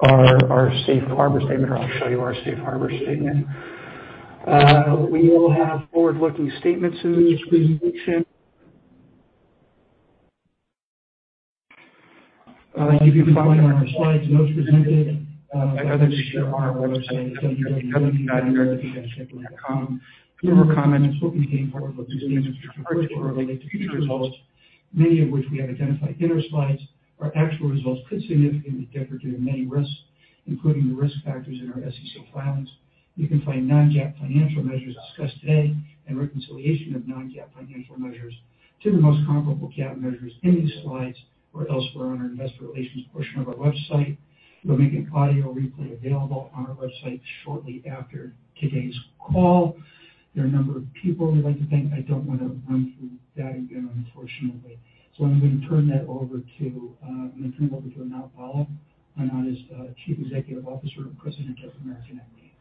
Our safe harbor statement, or I'll show you our safe harbor statement. We will have forward-looking statements in this presentation. You can find them on the slides and those presented by others here on our website at 2020.americanequity.com. Fewer comments will contain forward-looking statements, particularly related to future results, many of which we have identified in our slides. Our actual results could significantly differ due to many risks, including the risk factors in our SEC filings. You can find non-GAAP financial measures discussed today and reconciliation of non-GAAP financial measures to the most comparable GAAP measures in these slides or elsewhere on our investor relations portion of our website. We're making an audio replay available on our website shortly after today's call. There are a number of people we'd like to thank. I don't want to run through that again, unfortunately. I'm going to turn that over to, I'm gonna turn it over to Anant Bhalla. Anant is Chief Executive Officer and President of American Equity.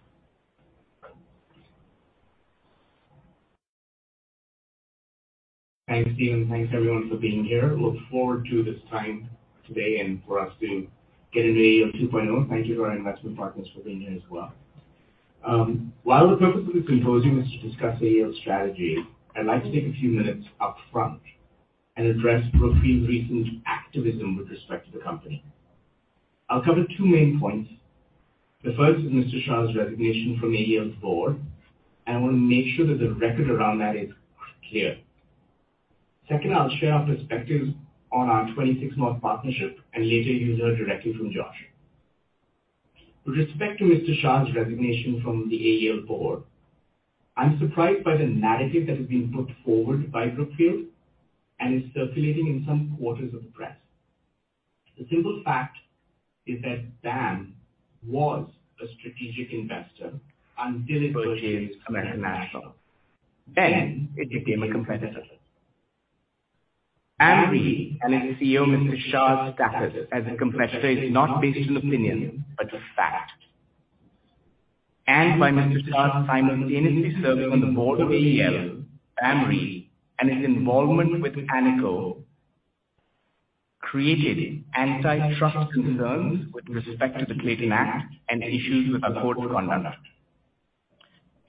Thanks, Steven. Thanks everyone for being here. Look forward to this time today and for us to get into AEL 2.0. Thank you to our investment partners for being here as well. While the purpose of this call today is to discuss AEL's strategy, I'd like to take a few minutes upfront and address Brookfield's recent activism with respect to the company. I'll cover two main points. The first is Mr. Shah's resignation from AEL's board. I want to make sure that the record around that is clear. Second, I'll share our perspective on our 26North partnership. Later you will hear directly from Josh. With respect to Mr. Shah's resignation from the AEL board, I'm surprised by the narrative that has been put forward by Brookfield and is circulating in some quarters of the press. The simple fact is that BAM was a strategic investor until it purchased American National. It became a competitor. BAM Re and its CEO, Mr. Shah's status as a competitor is not based on opinion, but a fact. By Mr. Shah simultaneously serving on the board of AEL, BAM Re and his involvement with AMECO created antitrust concerns with respect to the Clayton Act and issues with a board's conduct.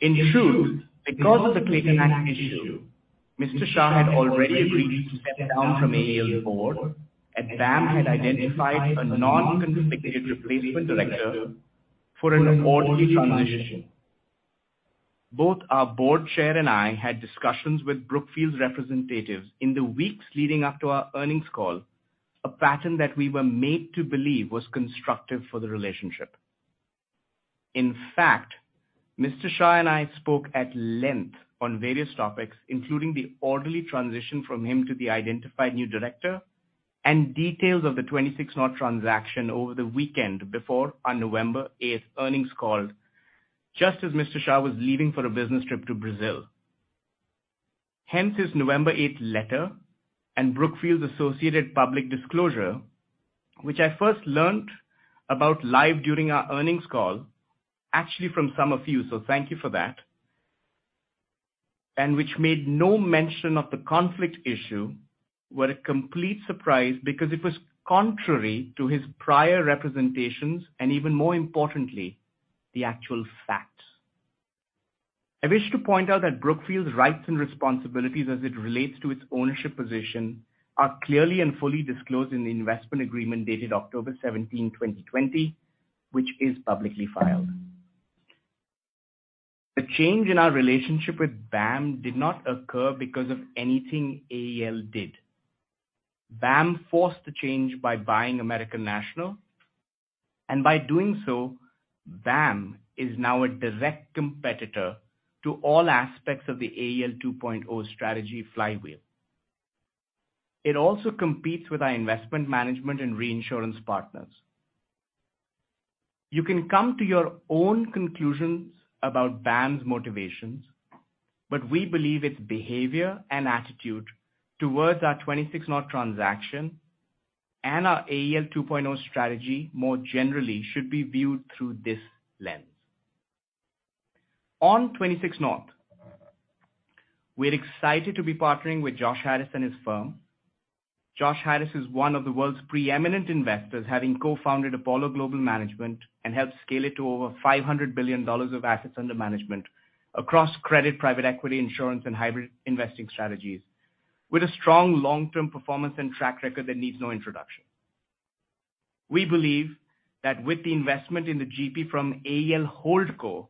In truth, because of the Clayton Act issue, Mr. Shah had already agreed to step down from AEL's board. BAM had identified a non-consanguineous replacement director for an orderly transition. Both our board chair and I had discussions with Brookfield's representatives in the weeks leading up to our earnings call, a pattern that we were made to believe was constructive for the relationship. In fact, Mr. Shah and I spoke at length on various topics, including the orderly transition from him to the identified new director and details of the 26North transaction over the weekend before our November 8th earnings call, just as Mr. Shah was leaving for a business trip to Brazil. Hence, his November 8th letter and Brookfield's associated public disclosure, which I first learned about live during our earnings call, actually from some of you, so thank you for that. Which made no mention of the conflict issue, were a complete surprise because it was contrary to his prior representations and even more importantly, the actual facts. I wish to point out that Brookfield's rights and responsibilities as it relates to its ownership position are clearly and fully disclosed in the investment agreement dated October 17, 2020, which is publicly filed. The change in our relationship with BAM did not occur because of anything AEL did. BAM forced the change by buying American National, and by doing so, BAM is now a direct competitor to all aspects of the AEL 2.0 strategy flywheel. It also competes with our investment management and reinsurance partners. You can come to your own conclusions about BAM's motivations, but we believe its behavior and attitude towards our 26North transaction and our AEL 2.0 strategy more generally should be viewed through this lens. On 26North, we're excited to be partnering with Josh Harris and his firm. Josh Harris is one of the world's preeminent investors, having co-founded Apollo Global Management and helped scale it to over $500 billion of assets under management across credit, private equity, insurance and hybrid investing strategies with a strong long-term performance and track record that needs no introduction. We believe that with the investment in the GP from AEL Holdco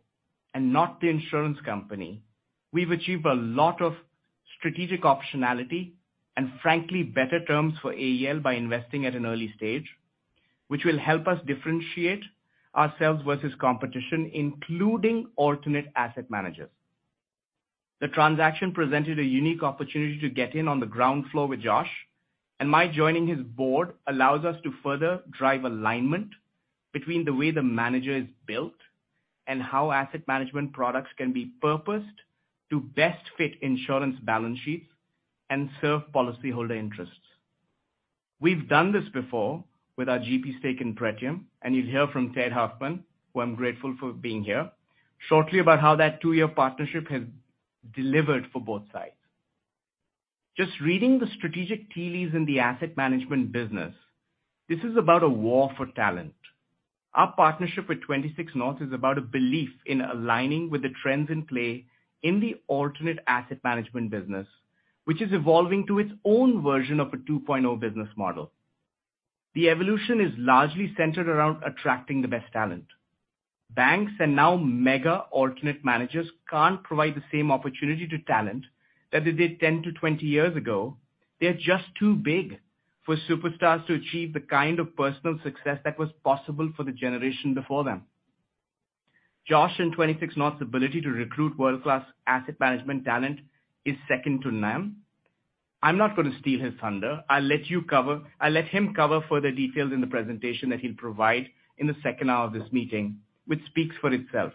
and not the insurance company, we've achieved a lot of strategic optionality and frankly, better terms for AEL by investing at an early stage, which will help us differentiate ourselves versus competition, including alternate asset managers. The transaction presented a unique opportunity to get in on the ground floor with Josh. My joining his board allows us to further drive alignment between the way the manager is built and how asset management products can be purposed to best fit insurance balance sheets and serve policyholder interests. We've done this before with our GP stake in Pretium, and you'll hear from Ted Huffman, who I'm grateful for being here, shortly about how that two-year partnership has delivered for both sides. Just reading the strategic tea leaves in the asset management business, this is about a war for talent. Our partnership with 26North is about a belief in aligning with the trends in play in the alternative asset management business, which is evolving to its own version of a 2.0 business model. The evolution is largely centered around attracting the best talent. Banks and now mega alternative managers can't provide the same opportunity to talent that they did 10-20 years ago. They're just too big for superstars to achieve the kind of personal success that was possible for the generation before them. Josh and 26North's ability to recruit world-class asset management talent is second to none. I'm not going to steal his thunder. I'll let him cover further details in the presentation that he'll provide in the second hour of this meeting, which speaks for itself.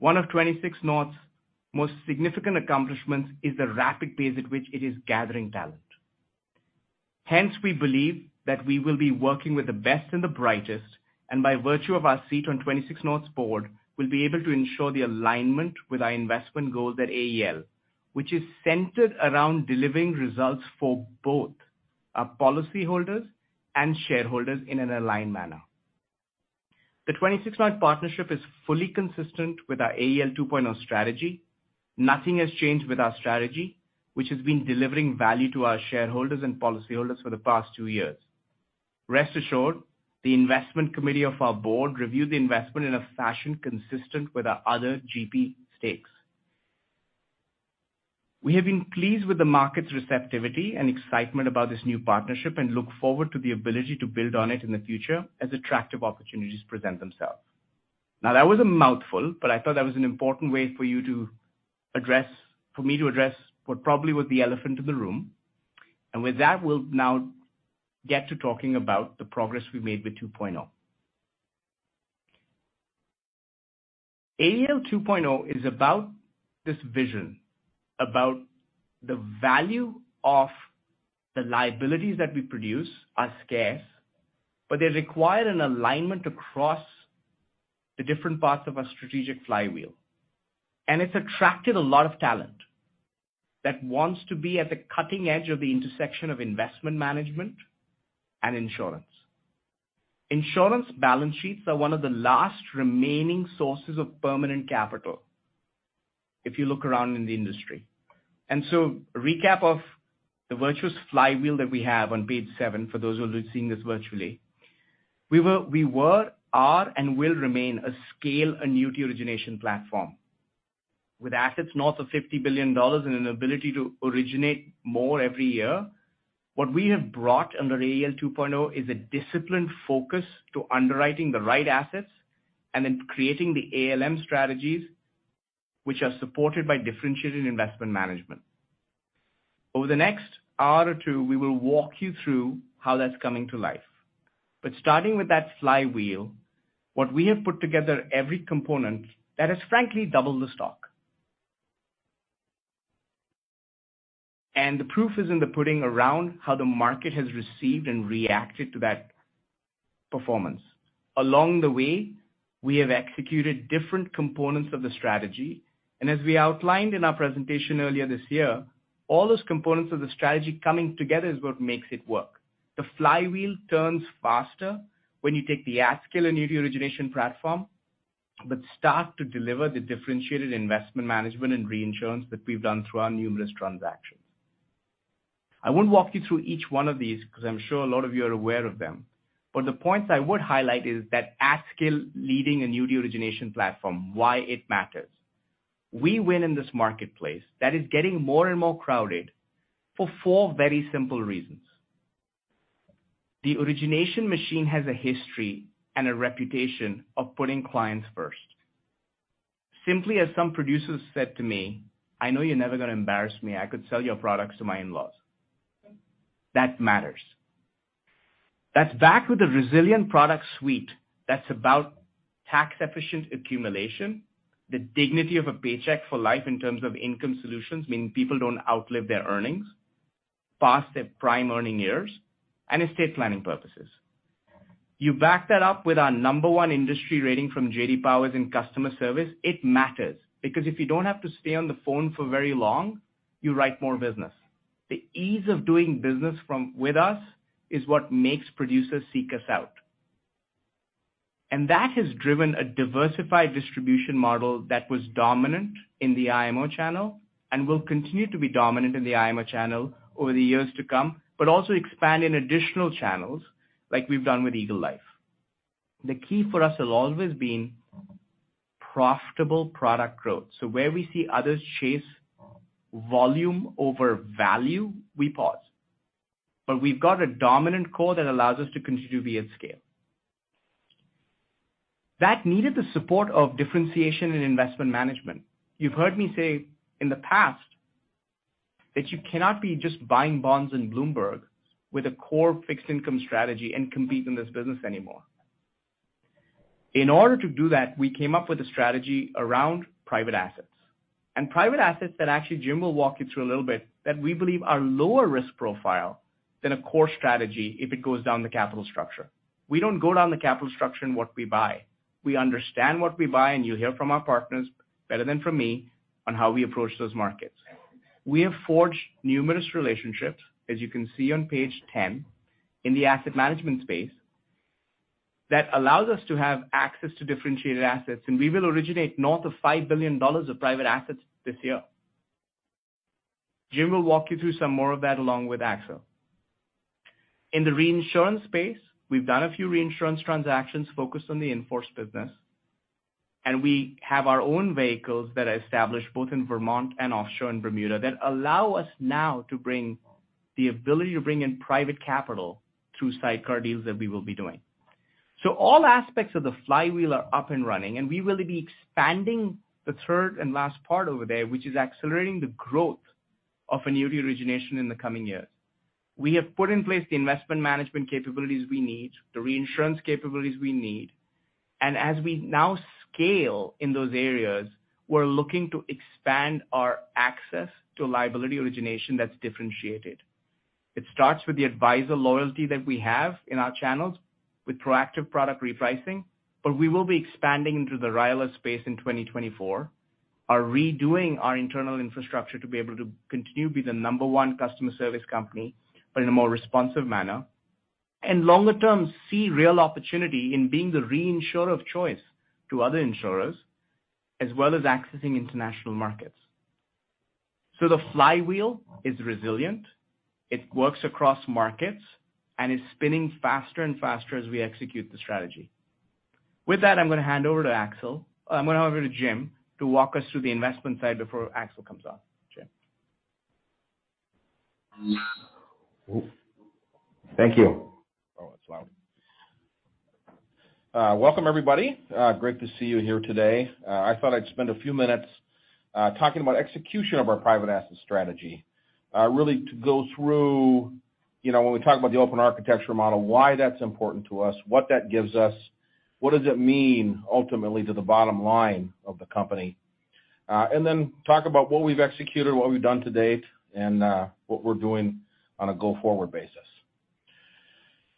One of 26North's most significant accomplishments is the rapid pace at which it is gathering talent. Hence, we believe that we will be working with the best and the brightest, and by virtue of our seat on 26North's board, we'll be able to ensure the alignment with our investment goals at AEL, which is centered around delivering results for both our policyholders and shareholders in an aligned manner. The 26North partnership is fully consistent with our AEL 2.0 strategy. Nothing has changed with our strategy, which has been delivering value to our shareholders and policyholders for the past two years. Rest assured, the investment committee of our board reviewed the investment in a fashion consistent with our other GP stakes. We have been pleased with the market's receptivity and excitement about this new partnership and look forward to the ability to build on it in the future as attractive opportunities present themselves. That was a mouthful, but I thought that was an important way for you to address for me to address what probably was the elephant in the room. With that, we'll now get to talking about the progress we made with 2.0. AEL 2.0 is about this vision about the value of the liabilities that we produce are scarce, but they require an alignment across the different parts of our strategic flywheel. It's attracted a lot of talent that wants to be at the cutting edge of the intersection of investment management and insurance. Insurance balance sheets are one of the last remaining sources of permanent capital if you look around in the industry. A recap of the virtuous flywheel that we have on page seven, for those who are seeing this virtually. We were, are, and will remain a scale annuity origination platform. With assets north of $50 billion and an ability to originate more every year, what we have brought under AEL 2.0 is a disciplined focus to underwriting the right assets and then creating the ALM strategies which are supported by differentiated investment management. Over the next hour or two, we will walk you through how that's coming to life. Starting with that flywheel, what we have put together every component that has frankly doubled the stock. The proof is in the pudding around how the market has received and reacted to that performance. Along the way, we have executed different components of the strategy, and as we outlined in our presentation earlier this year, all those components of the strategy coming together is what makes it work. The flywheel turns faster when you take the at scale annuity origination platform, but start to deliver the differentiated investment management and reinsurance that we've done through our numerous transactions. I won't walk you through each one of these because I'm sure a lot of you are aware of them, but the points I would highlight is that at scale leading annuity origination platform, why it matters. We win in this marketplace that is getting more and more crowded for four very simple reasons. The origination machine has a history and a reputation of putting clients first. Simply as some producers said to me, "I know you're never gonna embarrass me. I could sell your products to my in-laws." That matters. That's backed with a resilient product suite that's about tax-efficient accumulation, the dignity of a paycheck for life in terms of income solutions, meaning people don't outlive their earnings, past their prime earning years, and estate planning purposes. You back that up with our number one industry rating from J.D. Power in customer service, it matters because if you don't have to stay on the phone for very long, you write more business. The ease of doing business with us is what makes producers seek us out. That has driven a diversified distribution model that was dominant in the IMO channel and will continue to be dominant in the IMO channel over the years to come, but also expand in additional channels like we've done with Eagle Life. The key for us has always been profitable product growth. Where we see others chase volume over value, we pause. We've got a dominant core that allows us to continue to be at scale. That needed the support of differentiation in investment management. You've heard me say in the past that you cannot be just buying bonds in Bloomberg with a core fixed income strategy and compete in this business anymore. In order to do that, we came up with a strategy around private assets, private assets that actually Jim will walk you through a little bit, that we believe are lower risk profile. Then a core strategy if it goes down the capital structure. We don't go down the capital structure in what we buy. We understand what we buy, you hear from our partners better than from me on how we approach those markets. We have forged numerous relationships, as you can see on page 10, in the asset management space that allows us to have access to differentiated assets, we will originate north of $5 billion of private assets this year. Jim will walk you through some more of that along with Axel. In the reinsurance space, we've done a few reinsurance transactions focused on the enforced business, and we have our own vehicles that are established both in Vermont and offshore in Bermuda that allow us now to bring the ability to bring in private capital through sidecar deals that we will be doing. All aspects of the flywheel are up and running, and we will be expanding the third and last part over there, which is accelerating the growth of annuity origination in the coming years. We have put in place the investment management capabilities we need, the reinsurance capabilities we need, and as we now scale in those areas, we're looking to expand our access to liability origination that's differentiated. It starts with the advisor loyalty that we have in our channels with proactive product repricing, but we will be expanding into the RILA space in 2024, are redoing our internal infrastructure to be able to continue to be the number one customer service company, but in a more responsive manner. Longer term, see real opportunity in being the reinsurer of choice to other insurers, as well as accessing international markets. The flywheel is resilient, it works across markets, and is spinning faster and faster as we execute the strategy. With that, I'm gonna hand over to Jim to walk us through the investment side before Axel comes on. Jim. Thank you. Oh, it's loud. Welcome, everybody. Great to see you here today. I thought I'd spend a few minutes, talking about execution of our private asset strategy, really to go through, you know, when we talk about the open architecture model, why that's important to us, what that gives us, what does it mean ultimately to the bottom line of the company. Then talk about what we've executed, what we've done to date, and what we're doing on a go-forward basis.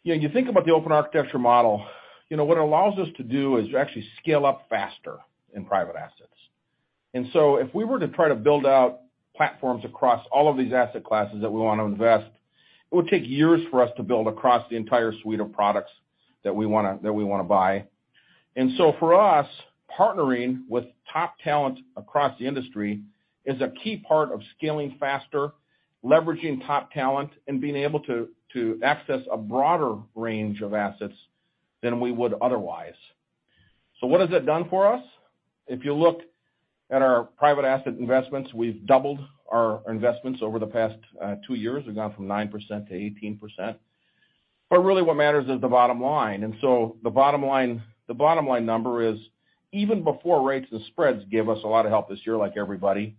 You think about the open architecture model, you know, what it allows us to do is to actually scale up faster in private assets. If we were to try to build out platforms across all of these asset classes that we wanna invest, it would take years for us to build across the entire suite of products that we wanna buy. For us, partnering with top talent across the industry is a key part of scaling faster, leveraging top talent, and being able to access a broader range of assets than we would otherwise. What has it done for us? If you look at our private asset investments, we've doubled our investments over the past two years. We've gone from 9%-18%. Really what matters is the bottom line. The bottom line number is even before rates and spreads give us a lot of help this year like everybody,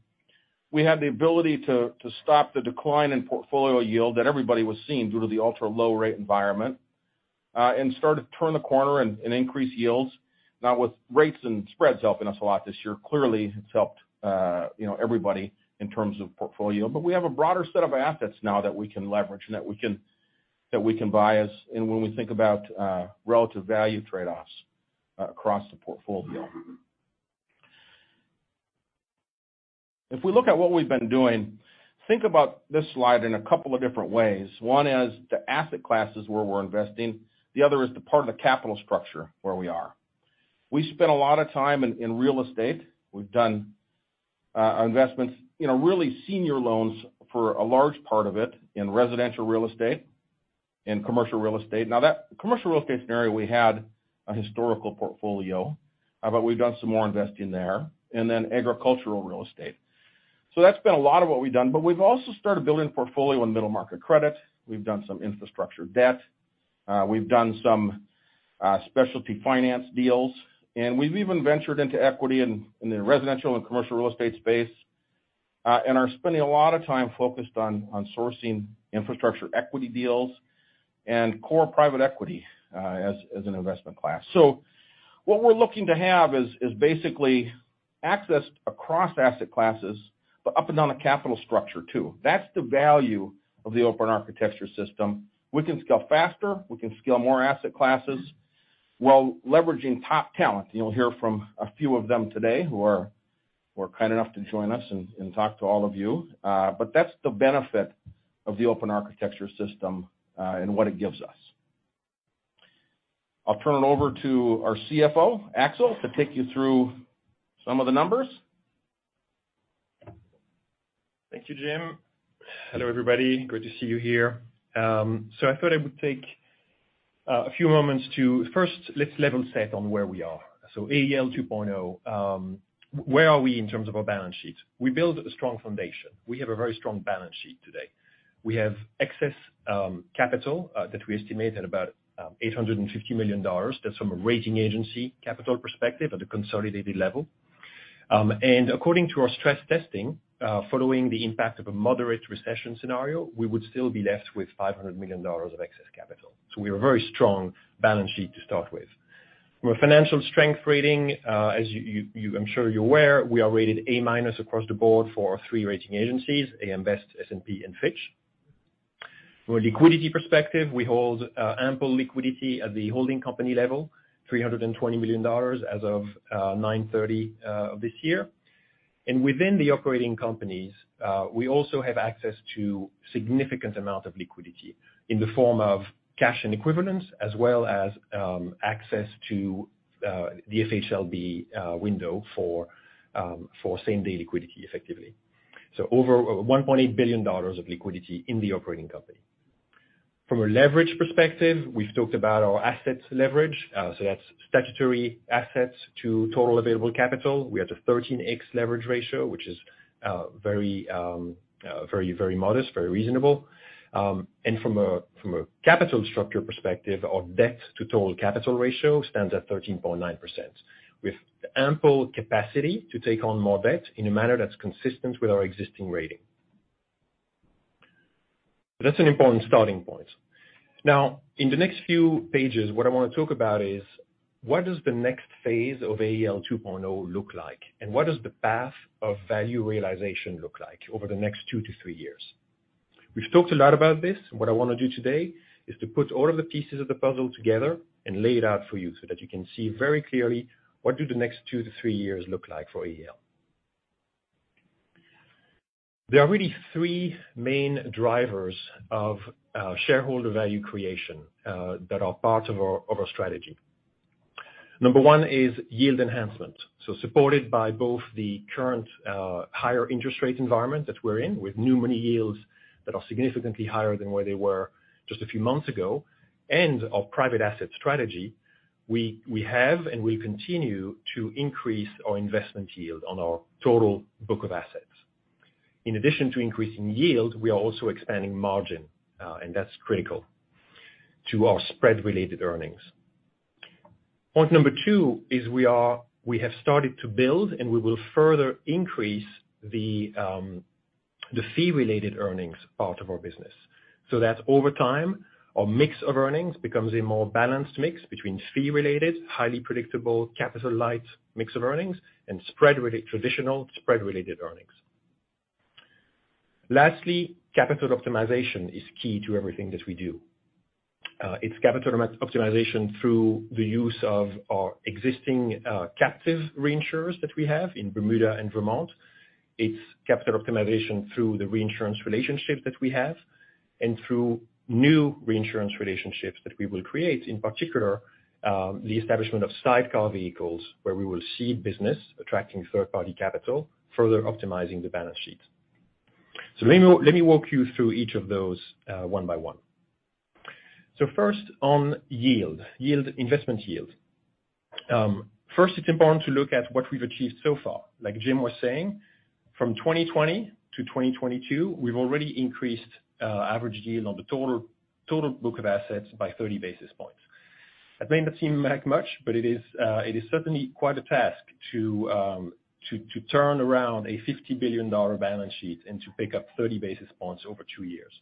we had the ability to stop the decline in portfolio yield that everybody was seeing due to the ultra-low rate environment, and start to turn the corner and increase yields. Now with rates and spreads helping us a lot this year, clearly it's helped, you know, everybody in terms of portfolio. We have a broader set of assets now that we can leverage and that we can buy as and when we think about relative value trade-offs across the portfolio. If we look at what we've been doing, think about this slide in a couple of different ways. One is the asset classes where we're investing, the other is the part of the capital structure where we are. We spent a lot of time in real estate. We've done investments, you know, really senior loans for a large part of it in residential real estate and commercial real estate. That commercial real estate scenario, we had a historical portfolio, but we've done some more investing there, and then agricultural real estate. That's been a lot of what we've done, but we've also started building a portfolio in middle market credit. We've done some infrastructure debt. We've done some specialty finance deals, and we've even ventured into equity in the residential and commercial real estate space, and are spending a lot of time focused on sourcing infrastructure equity deals and core private equity, as an investment class. What we're looking to have is basically access across asset classes, but up and down a capital structure too. That's the value of the open architecture system. We can scale faster, we can scale more asset classes while leveraging top talent. You'll hear from a few of them today who are kind enough to join us and talk to all of you. That's the benefit of the open architecture system and what it gives us. I'll turn it over to our CFO, Axel, to take you through some of the numbers. Thank you, Jim. Hello, everybody. Good to see you here. I thought I would take a few moments to first, let's level set on where we are. AEL 2.0, where are we in terms of our balance sheet? We built a strong foundation. We have a very strong balance sheet today. We have excess capital that we estimate at about $850 million. That's from a rating agency capital perspective at a consolidated level. According to our stress testing, following the impact of a moderate recession scenario, we would still be left with $500 million of excess capital. We have a very strong balance sheet to start with. From a financial strength rating, as you're aware, we are rated A minus across the board for our three rating agencies, AM Best, S&P, and Fitch. From a liquidity perspective, we hold ample liquidity at the holding company level, $320 million as of 9/30 of this year. Within the operating companies, we also have access to significant amount of liquidity in the form of cash and equivalents as well as access to the FHLB window for same-day liquidity effectively. Over $1.8 billion of liquidity in the operating company. From a leverage perspective, we've talked about our assets leverage. That's statutory assets to total available capital. We have the 13x leverage ratio, which is very modest, very reasonable. From a capital structure perspective, our debt to total capital ratio stands at 13.9% with ample capacity to take on more debt in a manner that's consistent with our existing rating. That's an important starting point. In the next few pages, what I wanna talk about is what does the next phase of AEL 2.0 look like, and what does the path of value realization look like over the next two to three years? We've talked a lot about this, what I wanna do today is to put all of the pieces of the puzzle together and lay it out for you so that you can see very clearly what do the next two to three years look like for AEL. There are really three main drivers of shareholder value creation that are part of our strategy. Number one is yield enhancement. Supported by both the current higher interest rate environment that we're in with new money yields that are significantly higher than where they were just a few months ago and our private asset strategy, we have and we continue to increase our investment yield on our total book of assets. In addition to increasing yield, we are also expanding margin, and that's critical to our spread-related earnings. Point number two is we have started to build, and we will further increase the fee-related earnings part of our business so that over time our mix of earnings becomes a more balanced mix between fee related, highly predictable, capital light mix of earnings and traditional spread-related earnings. Lastly, capital optimization is key to everything that we do. It's capital optimization through the use of our existing captive reinsurers that we have in Bermuda and Vermont. It's capital optimization through the reinsurance relationship that we have and through new reinsurance relationships that we will create, in particular, the establishment of sidecar vehicles where we will cede business attracting third-party capital, further optimizing the balance sheet. Let me walk you through each of those, one by one. First on yield, investment yield. First it's important to look at what we've achieved so far. Like Jim was saying, from 2020-2022, we've already increased average yield on the total book of assets by 30 basis points. That may not seem like much, but it is certainly quite a task to turn around a $50 billion balance sheet and to pick up 30 basis points over two years.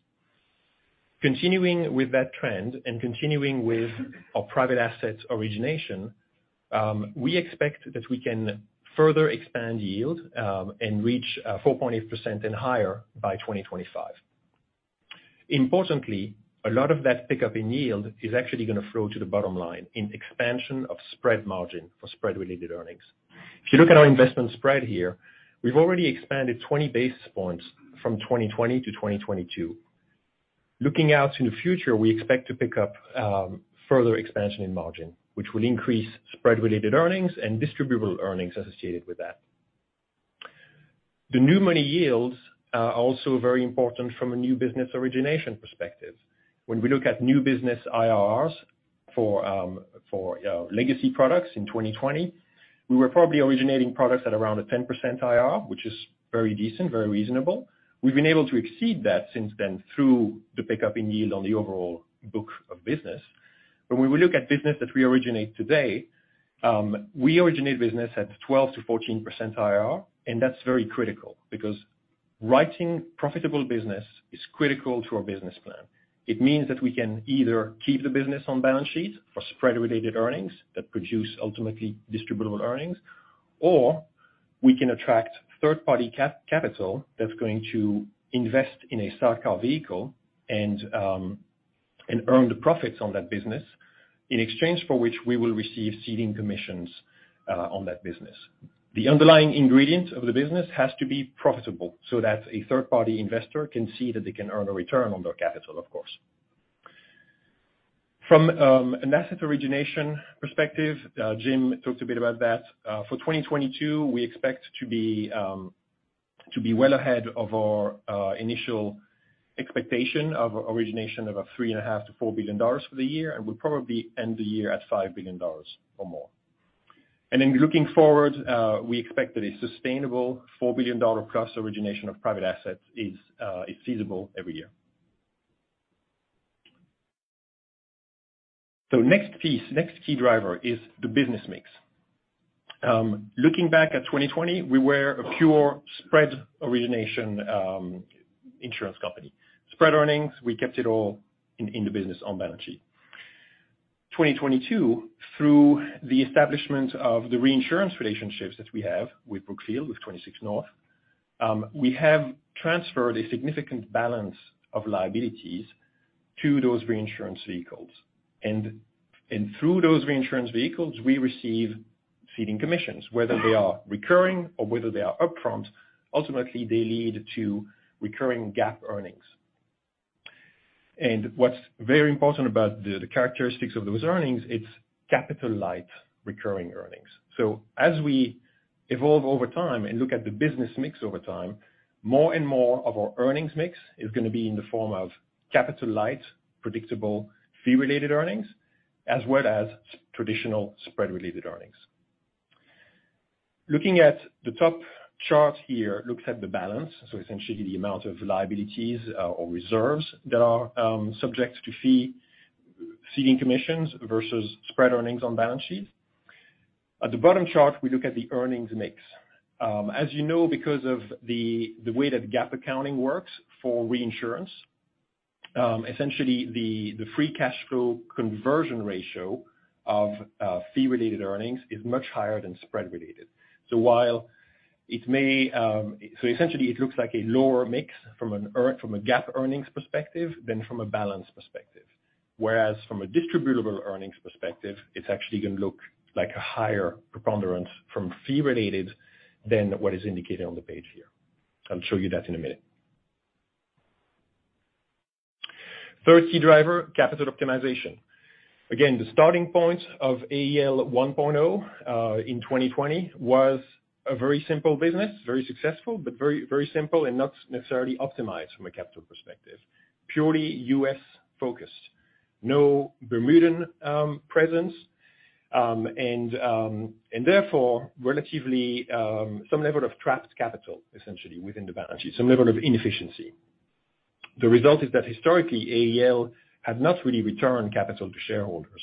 Continuing with that trend and continuing with our private assets origination, we expect that we can further expand yield and reach 4.8% and higher by 2025. Importantly, a lot of that pickup in yield is actually gonna flow to the bottom line in expansion of spread margin for spread-related earnings. If you look at our investment spread here, we've already expanded 20 basis points from 2020-2022. Looking out to the future, we expect to pick up further expansion in margin, which will increase spread-related earnings and distributable earnings associated with that. The new money yields are also very important from a new business origination perspective. When we look at new business IRRs for legacy products in 2020, we were probably originating products at around a 10% IRR, which is very decent, very reasonable. We've been able to exceed that since then through the pickup in yield on the overall book of business. When we look at business that we originate today, we originate business at 12%-14% IRR, that's very critical because writing profitable business is critical to our business plan. It means that we can either keep the business on balance sheet for spread-related earnings that produce ultimately distributable earnings, or we can attract third-party capital that's going to invest in a sidecar vehicle and earn the profits on that business in exchange for which we will receive ceding commissions on that business. The underlying ingredient of the business has to be profitable so that a third-party investor can see that they can earn a return on their capital of course. From an asset origination perspective, Jim talked a bit about that. For 2022, we expect to be well ahead of our initial expectation of origination of $3.5 billion-$4 billion for the year, and we'll probably end the year at $5 billion or more. Looking forward, we expect that a sustainable $4 billion+ origination of private assets is feasible every year. Next piece, next key driver is the business mix. Looking back at 2020, we were a pure spread origination insurance company. Spread earnings, we kept it all in the business on balance sheet. 2022, through the establishment of the reinsurance relationships that we have with Brookfield, with 26North, we have transferred a significant balance of liabilities to those reinsurance vehicles. And through those reinsurance vehicles, we receive ceding commissions, whether they are recurring or whether they are upfront, ultimately they lead to recurring GAAP earnings. What's very important about the characteristics of those earnings, it's capital-light recurring earnings. As we evolve over time and look at the business mix over time, more and more of our earnings mix is gonna be in the form of capital light, predictable fee-related earnings, as well as traditional spread-related earnings. Looking at the top chart here, looks at the balance, so essentially the amount of liabilities, or reserves that are subject to fee, ceding commissions versus spread earnings on balance sheet. At the bottom chart, we look at the earnings mix. As you know, because of the way that GAAP accounting works for reinsurance, essentially the free cash flow conversion ratio of fee-related earnings is much higher than spread-related. Essentially it looks like a lower mix from a GAAP earnings perspective than from a balance perspective. From a distributable earnings perspective, it's actually gonna look like a higher preponderance from fee related than what is indicated on the page here. I'll show you that in a minute. Third key driver, capital optimization. The starting point of AEL 1.0 in 2020 was a very simple business, very successful, but very simple and not necessarily optimized from a capital perspective. Purely U.S. focused. No Bermudan presence, and therefore relatively some level of trapped capital essentially within the balance sheet, some level of inefficiency. The result is that historically, AEL had not really returned capital to shareholders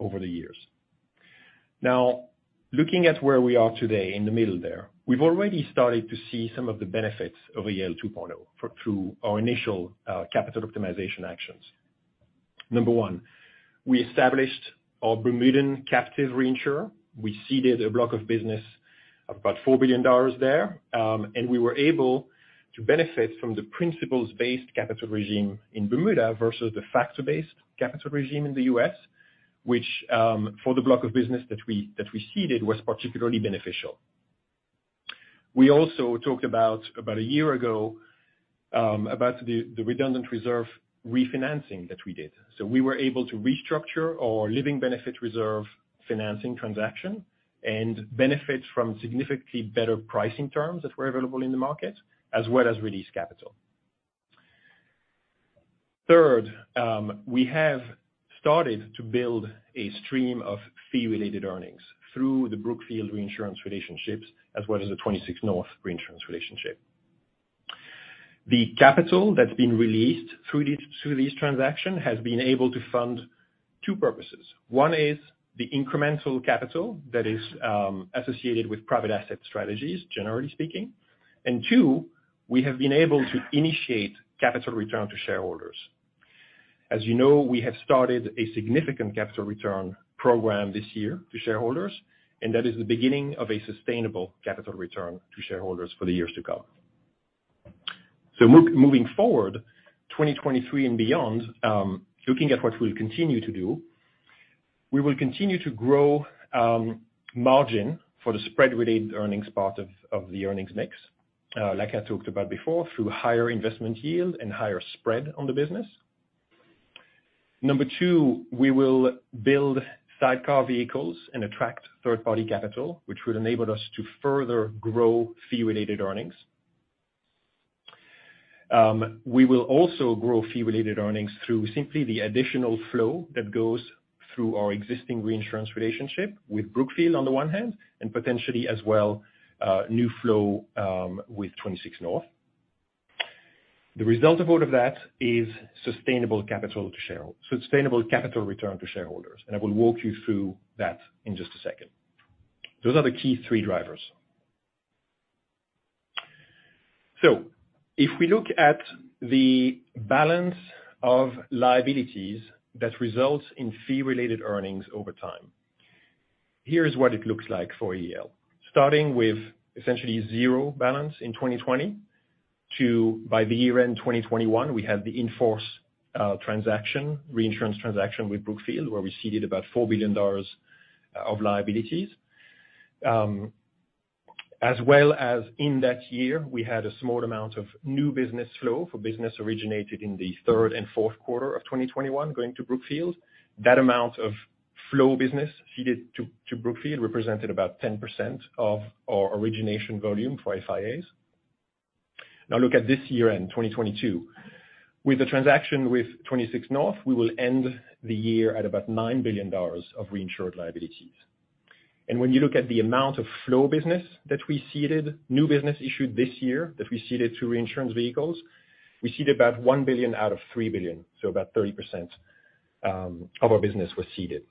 over the years. Looking at where we are today in the middle there, we've already started to see some of the benefits of AEL 2.0 through our initial capital optimization actions. Number one, we established our Bermudan captive reinsurer. We ceded a block of business of about $4 billion there. We were able to benefit from the principles-based capital regime in Bermuda versus the factor-based capital regime in the U.S., which for the block of business that we ceded was particularly beneficial. We also talked about a year ago, about the redundant reserve refinancing that we did. We were able to restructure our living benefit reserve financing transaction and benefit from significantly better pricing terms that were available in the market, as well as release capital. Third, we have started to build a stream of fee-related earnings through the Brookfield Reinsurance relationships as well as the 26North reinsurance relationship. The capital that's been released through these transaction has been able to fund two purposes. One is the incremental capital that is associated with private asset strategies, generally speaking. Two, we have been able to initiate capital return to shareholders. As you know, we have started a significant capital return program this year to shareholders, and that is the beginning of a sustainable capital return to shareholders for the years to come. Moving forward, 2023 and beyond, looking at what we'll continue to do, we will continue to grow margin for the spread-related earnings part of the earnings mix, like I talked about before, through higher investment yield and higher spread on the business. Number two, we will build sidecar vehicles and attract third-party capital, which would enable us to further grow fee-related earnings. We will also grow fee-related earnings through simply the additional flow that goes through our existing reinsurance relationship with Brookfield on the one hand, and potentially as well, new flow with 26North. The result of all of that is sustainable capital return to shareholders. I will walk you through that in just a second. Those are the key three drivers. If we look at the balance of liabilities that results in fee-related earnings over time, here's what it looks like for AEL. Starting with essentially zero balance in 2020 to by the year-end 2021, we had the in-force transaction, reinsurance transaction with Brookfield, where we ceded about $4 billion of liabilities. As well as in that year, we had a small amount of new business flow for business originated in the third and fourth quarter of 2021 going to Brookfield. That amount of flow business ceded to Brookfield represented about 10% of our origination volume for FIAs. Now look at this year-end, 2022. With the transaction with 26North, we will end the year at about $9 billion of reinsured liabilities. When you look at the amount of flow business that we ceded, new business issued this year that we ceded to reinsurance vehicles, we ceded about $1 billion out of $3 billion, so about 30% of our business was ceded.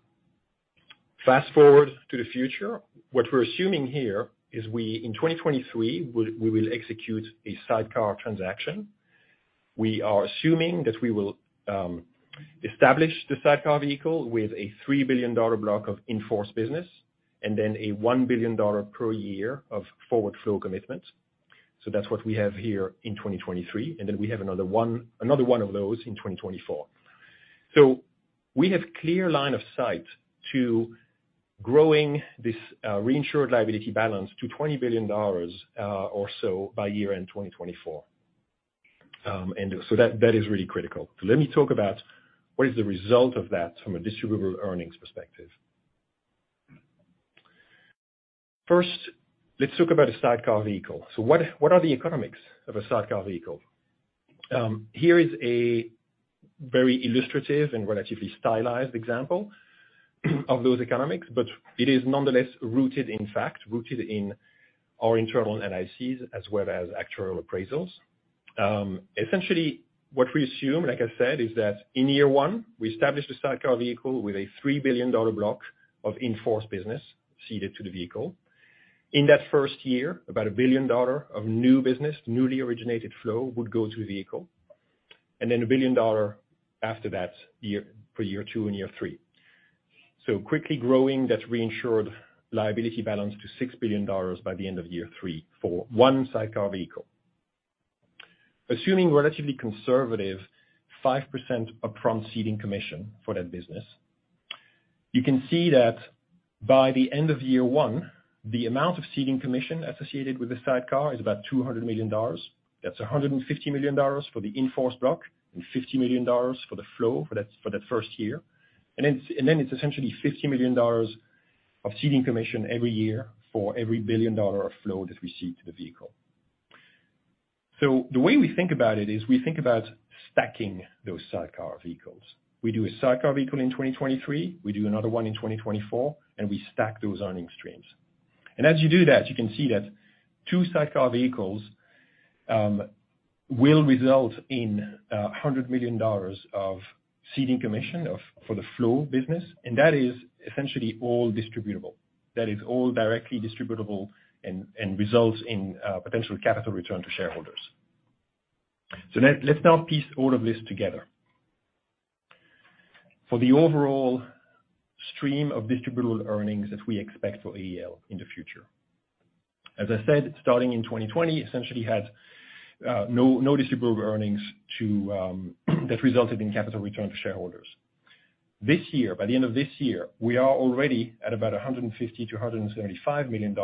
Fast forward to the future, what we're assuming here is we, in 2023, we will execute a sidecar transaction. We are assuming that we will establish the sidecar vehicle with a $3 billion block of in-force business and then a $1 billion per year of forward flow commitment. That's what we have here in 2023, we have another one of those in 2024. We have clear line of sight to growing this reinsured liability balance to $20 billion or so by year-end 2024. That is really critical. Let me talk about what is the result of that from a distributable earnings perspective. First, let's talk about a sidecar vehicle. What are the economics of a sidecar vehicle? Here is a very illustrative and relatively stylized example of those economics, but it is nonetheless rooted in fact, rooted in our internal NICs as well as actuarial appraisals. Essentially, what we assume, like I said, is that in year one, we established a sidecar vehicle with a $3 billion block of in-force business ceded to the vehicle. In that first year, about $1 billion of new business, newly originated flow would go to the vehicle, and then $1 billion after that year for year two and year three. Quickly growing that reinsured liability balance to $6 billion by the end of year three for one sidecar vehicle. Assuming relatively conservative 5% upfront ceding commission for that business, you can see that by the end of year one, the amount of ceding commission associated with the sidecar is about $200 million. That's $150 million for the in-force block and $50 million for the flow for that first year. It's essentially $50 million of ceding commission every year for every $1 billion of flow that we cede to the vehicle. The way we think about it is we think about stacking those sidecar vehicles. We do a sidecar vehicle in 2023, we do another one in 2024, we stack those earnings streams. As you do that, you can see that two sidecar vehicles will result in $100 million of ceding commission for the flow business, and that is essentially all distributable. That is all directly distributable and results in potential capital return to shareholders. Let's now piece all of this together. For the overall stream of distributable earnings that we expect for AEL in the future. As I said, starting in 2020, essentially had no distributable earnings to that resulted in capital return to shareholders. This year, by the end of this year, we are already at about $150 million-$175 million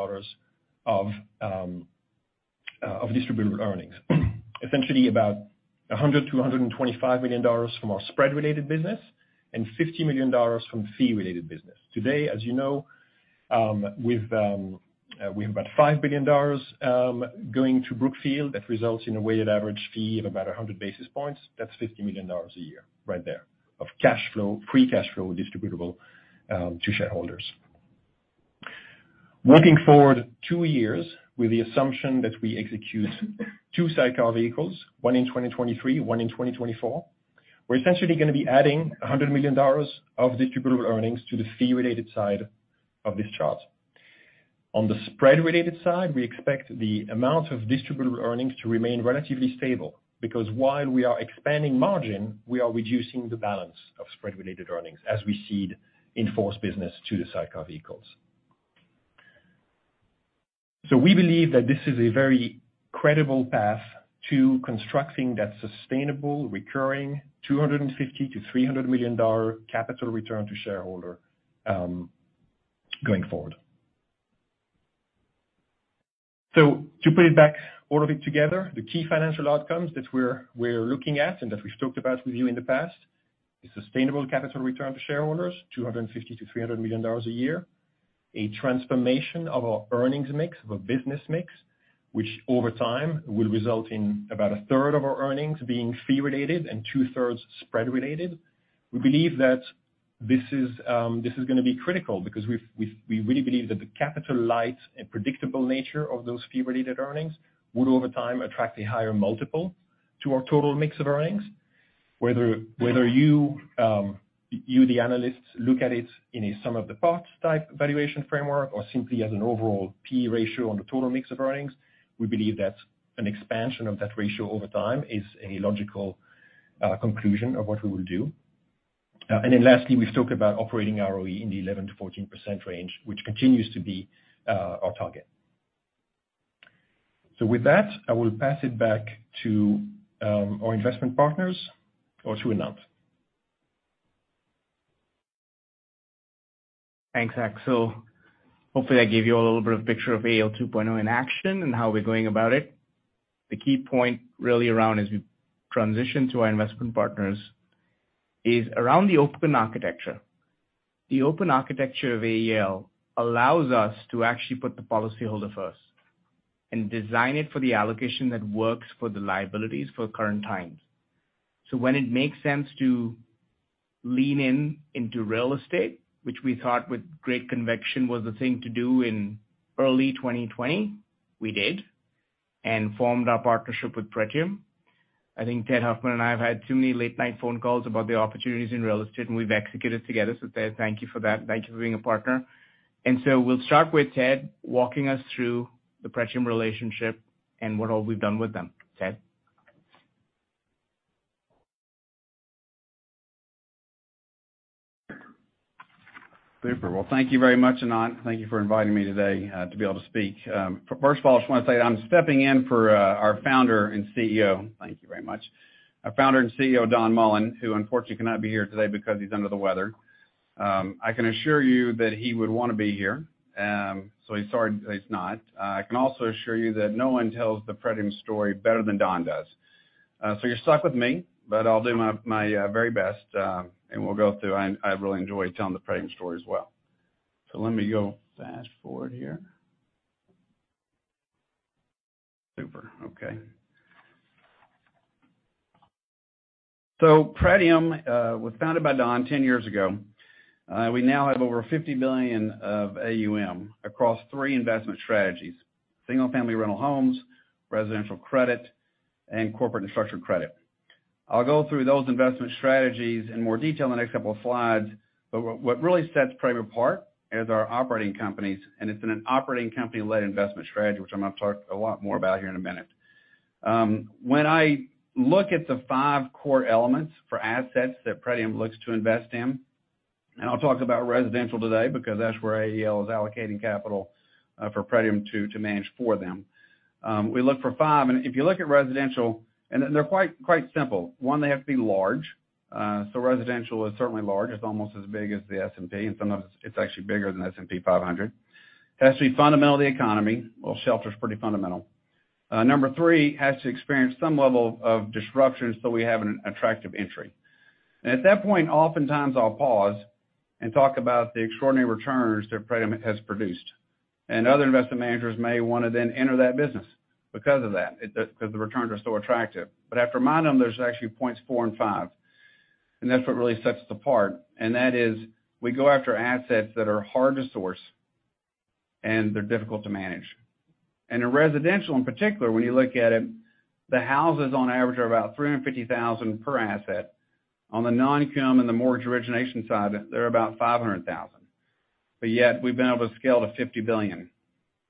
of distributable earnings. Essentially about $100 million-$125 million from our spread-related business and $50 million from fee-related business. Today, as you know, we have about $5 billion going to Brookfield that results in a weighted average fee of about 100 basis points. That's $50 million a year right there of cash flow, free cash flow distributable to shareholders. Looking forward two years with the assumption that we execute two sidecar vehicles, one in 2023, one in 2024, we're essentially gonna be adding $100 million of distributable earnings to the fee-related side of this chart. On the spread-related side, we expect the amount of distributable earnings to remain relatively stable because while we are expanding margin, we are reducing the balance of spread-related earnings as we cede in-force business to the sidecar vehicles. We believe that this is a very credible path to constructing that sustainable recurring $250 million-$300 million capital return to shareholder going forward. To put it back all of it together, the key financial outcomes that we're looking at and that we've talked about with you in the past, a sustainable capital return to shareholders, $250 million-$300 million a year, a transformation of our earnings mix, of our business mix, which over time will result in about a third of our earnings being fee-related and two-thirds spread-related. We believe that this is, this is gonna be critical because we really believe that the capital light and predictable nature of those fee-related earnings would over time attract a higher multiple to our total mix of earnings. Whether you, the analysts look at it in a sum of the parts type valuation framework or simply as an overall P/E ratio on the total mix of earnings, we believe that an expansion of that ratio over time is a logical conclusion of what we will do. Lastly, we've talked about operating ROE in the 11%-14% range, which continues to be our target. With that, I will pass it back to our investment partners or to Anant. Thanks, Axel. Hopefully, that gave you a little bit of picture of AEL 2.0 in action and how we're going about it. The key point really around as we transition to our investment partners is around the open architecture. The open architecture of AEL allows us to actually put the policyholder first and design it for the allocation that works for the liabilities for current times. When it makes sense to lean in into real estate, which we thought with great conviction was the thing to do in early 2020, we did and formed our partnership with Pretium. I think Ted Huffman and I have had too many late-night phone calls about the opportunities in real estate, and we've executed together. Ted, thank you for that. Thank you for being a partner. We'll start with Ted walking us through the Pretium relationship and what all we've done with them. Ted? Super. Well, thank you very much, Anant. Thank you for inviting me today to be able to speak. First of all, I just wanna say that I'm stepping in for our founder and CEO. Thank you very much. Our founder and CEO, Don Mullen, who unfortunately cannot be here today because he's under the weather. I can assure you that he would wanna be here, so he's sorry he's not. I can also assure you that no one tells the Pretium story better than Don does. You're stuck with me, but I'll do my very best, and we'll go through. I really enjoy telling the Pretium story as well. Let me go fast-forward here. Super. Okay. Pretium was founded by Don 10 years ago. We now have over $50 billion of AUM across three investment strategies: single-family rental homes, residential credit, and corporate and structured credit. I'll go through those investment strategies in more detail in the next couple of slides, but what really sets Pretium apart is our operating companies, and it's in an operating company-led investment strategy, which I'm gonna talk a lot more about here in a minute. When I look at the five core elements for assets that Pretium looks to invest in, and I'll talk about residential today because that's where AEL is allocating capital for Pretium to manage for them. We look for five. If you look at residential. They're quite simple. One, they have to be large. Residential is certainly large. It's almost as big as the S&P, sometimes it's actually bigger than S&P 500. It has to be fundamental to the economy. Well, shelter's pretty fundamental. Number three, it has to experience some level of disruption so we have an attractive entry. At that point, oftentimes I'll pause and talk about the extraordinary returns that Pretium has produced. Other investment managers may wanna then enter that business because of that, 'cause the returns are so attractive. I have to remind them there's actually points four and five, and that's what really sets us apart. That is, we go after assets that are hard to source and they're difficult to manage. In residential, in particular, when you look at it, the houses on average are about $350,000 per asset. On the non-income and the mortgage origination side, they're about $500,000. We've been able to scale to $50 billion.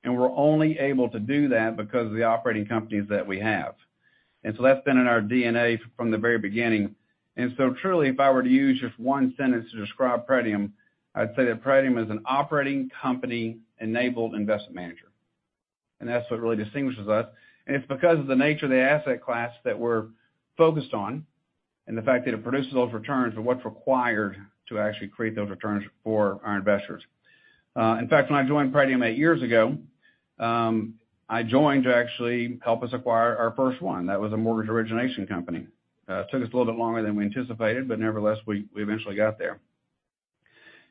We're only able to do that because of the operating companies that we have. That's been in our DNA from the very beginning. Truly, if I were to use just one sentence to describe Pretium, I'd say that Pretium is an operating company-enabled investment manager. That's what really distinguishes us. It's because of the nature of the asset class that we're focused on and the fact that it produces those returns are what's required to actually create those returns for our investors. In fact, when I joined Pretium eight years ago, I joined to actually help us acquire our first one. That was a mortgage origination company. It took us a little bit longer than we anticipated, but nevertheless, we eventually got there.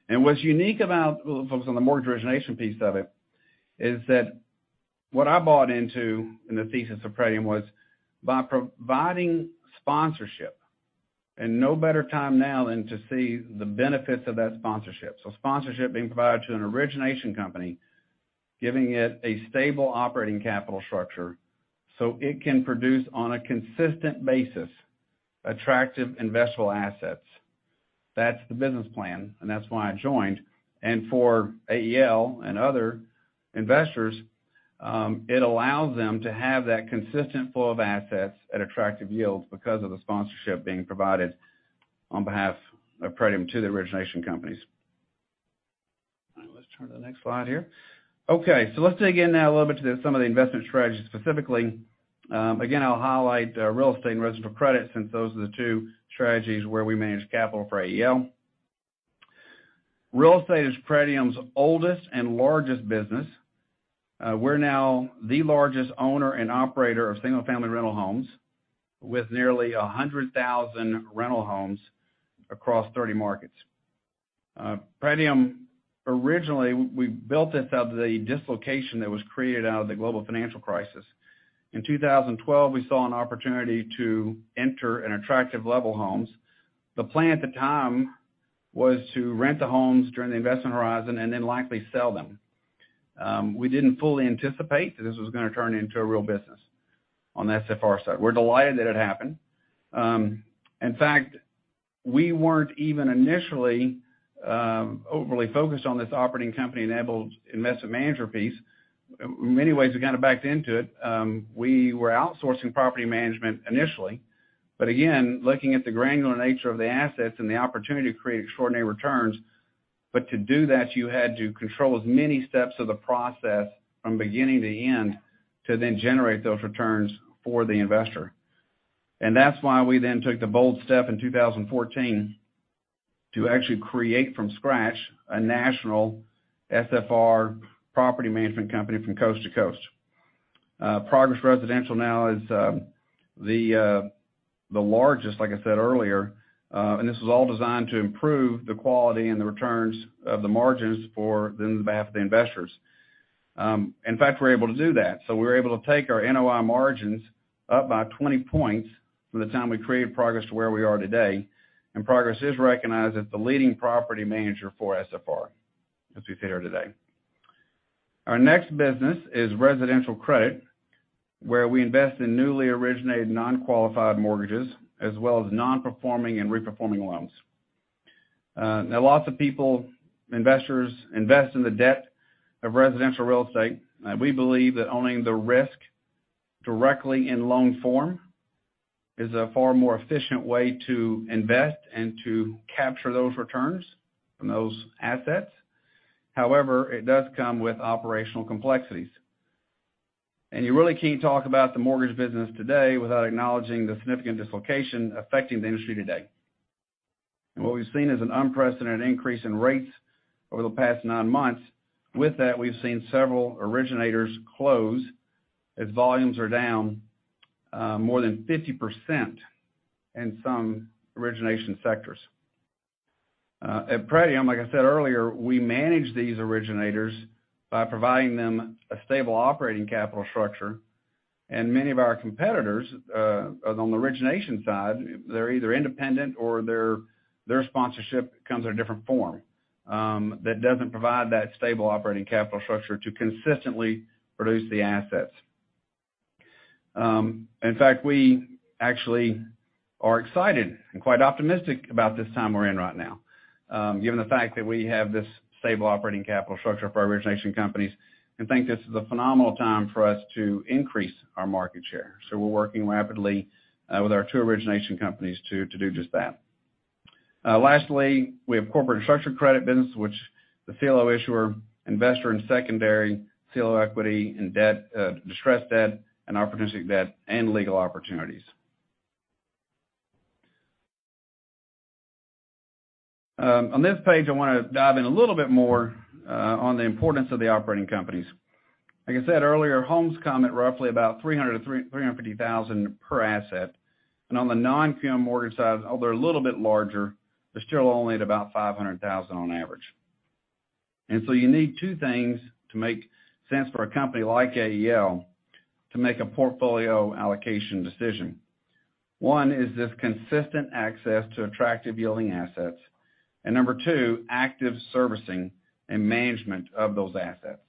What's unique about... we'll focus on the mortgage origination piece of it, is that what I bought into in the thesis of Pretium was by providing sponsorship, and no better time now than to see the benefits of that sponsorship. Sponsorship being provided to an origination company, giving it a stable operating capital structure, so it can produce on a consistent basis, attractive investable assets. That's the business plan, and that's why I joined. For AEL and other investors, it allows them to have that consistent flow of assets at attractive yields because of the sponsorship being provided on behalf of Pretium to the origination companies. All right, let's turn to the next slide here. Let's dig in now a little bit to some of the investment strategies specifically. Again, I'll highlight real estate and residential credit since those are the two strategies where we manage capital for AEL. Real estate is Pretium's oldest and largest business. We're now the largest owner and operator of single-family rental homes with nearly 100,000 rental homes across 30 markets. Pretium, originally, we built this out of the dislocation that was created out of the global financial crisis. In 2012, we saw an opportunity to enter in attractive level homes. The plan at the time was to rent the homes during the investment horizon and then likely sell them. We didn't fully anticipate that this was gonna turn into a real business on the SFR side. We're delighted that it happened. In fact, we weren't even initially overly focused on this operating company-enabled investment manager piece. In many ways, we kind of backed into it. We were outsourcing property management initially. Again, looking at the granular nature of the assets and the opportunity to create extraordinary returns. To do that, you had to control as many steps of the process from beginning to end to then generate those returns for the investor. That's why we then took the bold step in 2014 to actually create from scratch a national SFR property management company from coast to coast. Progress Residential now is the largest, like I said earlier, this was all designed to improve the quality and the returns of the margins for then on behalf of the investors. In fact, we're able to do that. We were able to take our NOI margins up by 20 points from the time we created Progress to where we are today. Progress is recognized as the leading property manager for SFR as we sit here today. Our next business is residential credit, where we invest in newly originated non-qualified mortgages as well as non-performing and re-performing loans. Now lots of people, investors invest in the debt of residential real estate. We believe that owning the risk directly in loan form is a far more efficient way to invest and to capture those returns from those assets. However, it does come with operational complexities. You really can't talk about the mortgage business today without acknowledging the significant dislocation affecting the industry today. What we've seen is an unprecedented increase in rates over the past nine months. With that, we've seen several originators close as volumes are down more than 50% in some origination sectors. At Pretium, like I said earlier, we manage these originators by providing them a stable operating capital structure, and many of our competitors on the origination side, they're either independent or their sponsorship comes in a different form that doesn't provide that stable operating capital structure to consistently produce the assets. In fact, we actually are excited and quite optimistic about this time we're in right now, given the fact that we have this stable operating capital structure for origination companies and think this is a phenomenal time for us to increase our market share. We're working rapidly with our two origination companies to do just that. Lastly, we have corporate and structured credit business, which the CLO issuer, investor and secondary CLO equity and debt, distressed debt and opportunistic debt and legal opportunities. On this page, I wanna dive in a little bit more on the importance of the operating companies. Like I said earlier, homes come at roughly about $300,000-$350,000 per asset. On the non-QM mortgage side, although they're a little bit larger, they're still only at about $500,000 on average. You need two things to make sense for a company like AEL to make a portfolio allocation decision. One is this consistent access to attractive yielding assets, and number two, active servicing and management of those assets.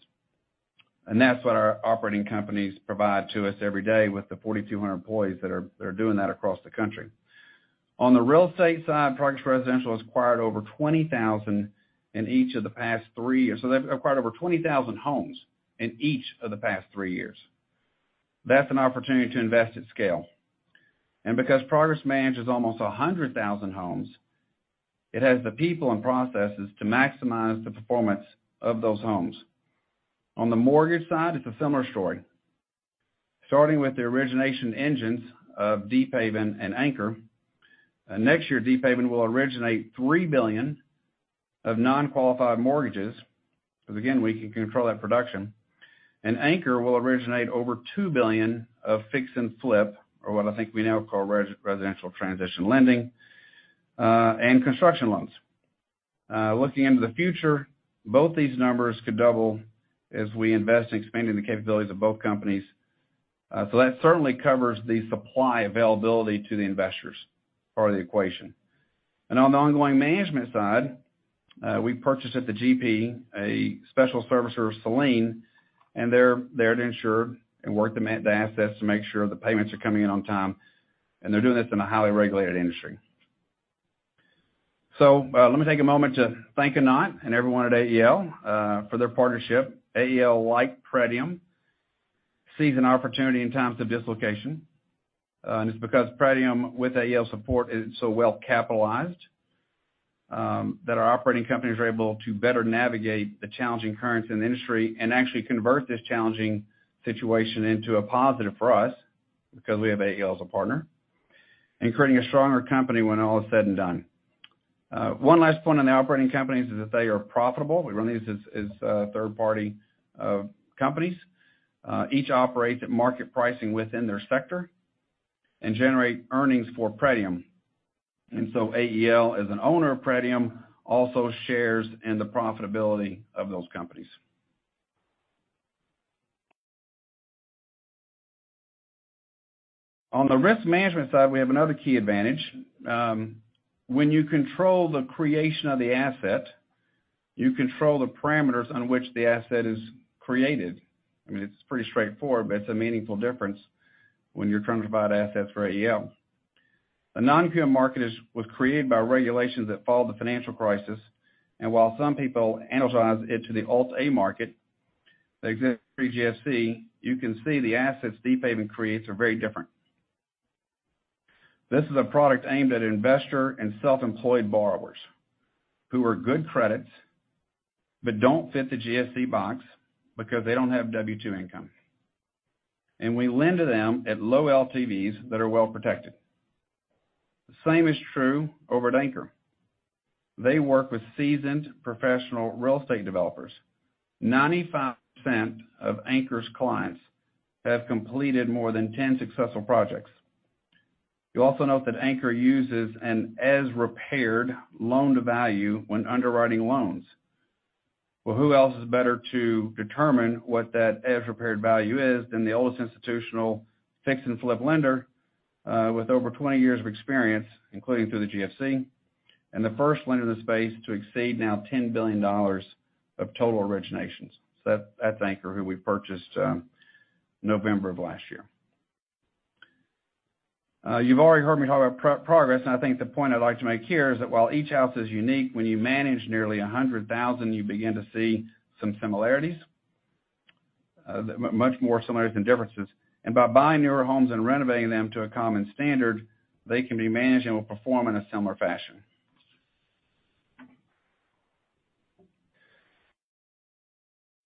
That's what our operating companies provide to us every day with the 4,200 employees that are doing that across the country. On the real estate side, Progress Residential has acquired over 20,000 in each of the past three years. They've acquired over 20,000 homes in each of the past three years. That's an opportunity to invest at scale. Because Progress manages almost 100,000 homes, it has the people and processes to maximize the performance of those homes. On the mortgage side, it's a similar story. Starting with the origination engines of Pretium and Anchor. Next year, Pretium will originate $3 billion of non-qualified mortgages, because again, we can control that production. Anchor will originate over $2 billion of fix and flip, or what I think we now call residential transition lending, and construction loans. Looking into the future, both these numbers could double as we invest in expanding the capabilities of both companies. That certainly covers the supply availability to the investors part of the equation. On the ongoing management side, we purchased at the GP, a special servicer, Selene, and they're there to ensure and work the assets to make sure the payments are coming in on time, and they're doing this in a highly regulated industry. Let me take a moment to thank Anant and everyone at AEL for their partnership. AEL, like Pretium, sees an opportunity in times of dislocation. It's because Pretium with AEL support is so well capitalized, that our operating companies are able to better navigate the challenging currents in the industry and actually convert this challenging situation into a positive for us because we have AEL as a partner, and creating a stronger company when all is said and done. One last point on the operating companies is that they are profitable. We run these as third-party companies. Each operates at market pricing within their sector and generate earnings for Pretium. AEL, as an owner of Pretium, also shares in the profitability of those companies. On the risk management side, we have another key advantage. When you control the creation of the asset, you control the parameters on which the asset is created. I mean, it's pretty straightforward, but it's a meaningful difference when you're trying to provide assets for AEL. The non-QM market was created by regulations that followed the financial crisis, and while some people analogize it to the alt-A market that existed pre-GFC, you can see the assets de-pavement creates are very different. This is a product aimed at investor and self-employed borrowers who are good credits but don't fit the GSE box because they don't have W-2 income. We lend to them at low LTVs that are well protected. The same is true over at Anchor. They work with seasoned professional real estate developers. 95% of Anchor's clients have completed more than 10 successful projects. You'll also note that Anchor uses an as-repaired loan-to-value when underwriting loans. Who else is better to determine what that as-repaired value is than the oldest institutional fix and flip lender, with over 20 years of experience, including through the GFC? The first lender in the space to exceed now $10 billion of total originations. That's Anchor, who we purchased, November of last year. You've already heard me talk about Progress, and I think the point I'd like to make here is that while each house is unique, when you manage nearly 100,000, you begin to see some similarities, much more similarities than differences. By buying newer homes and renovating them to a common standard, they can be managed and will perform in a similar fashion.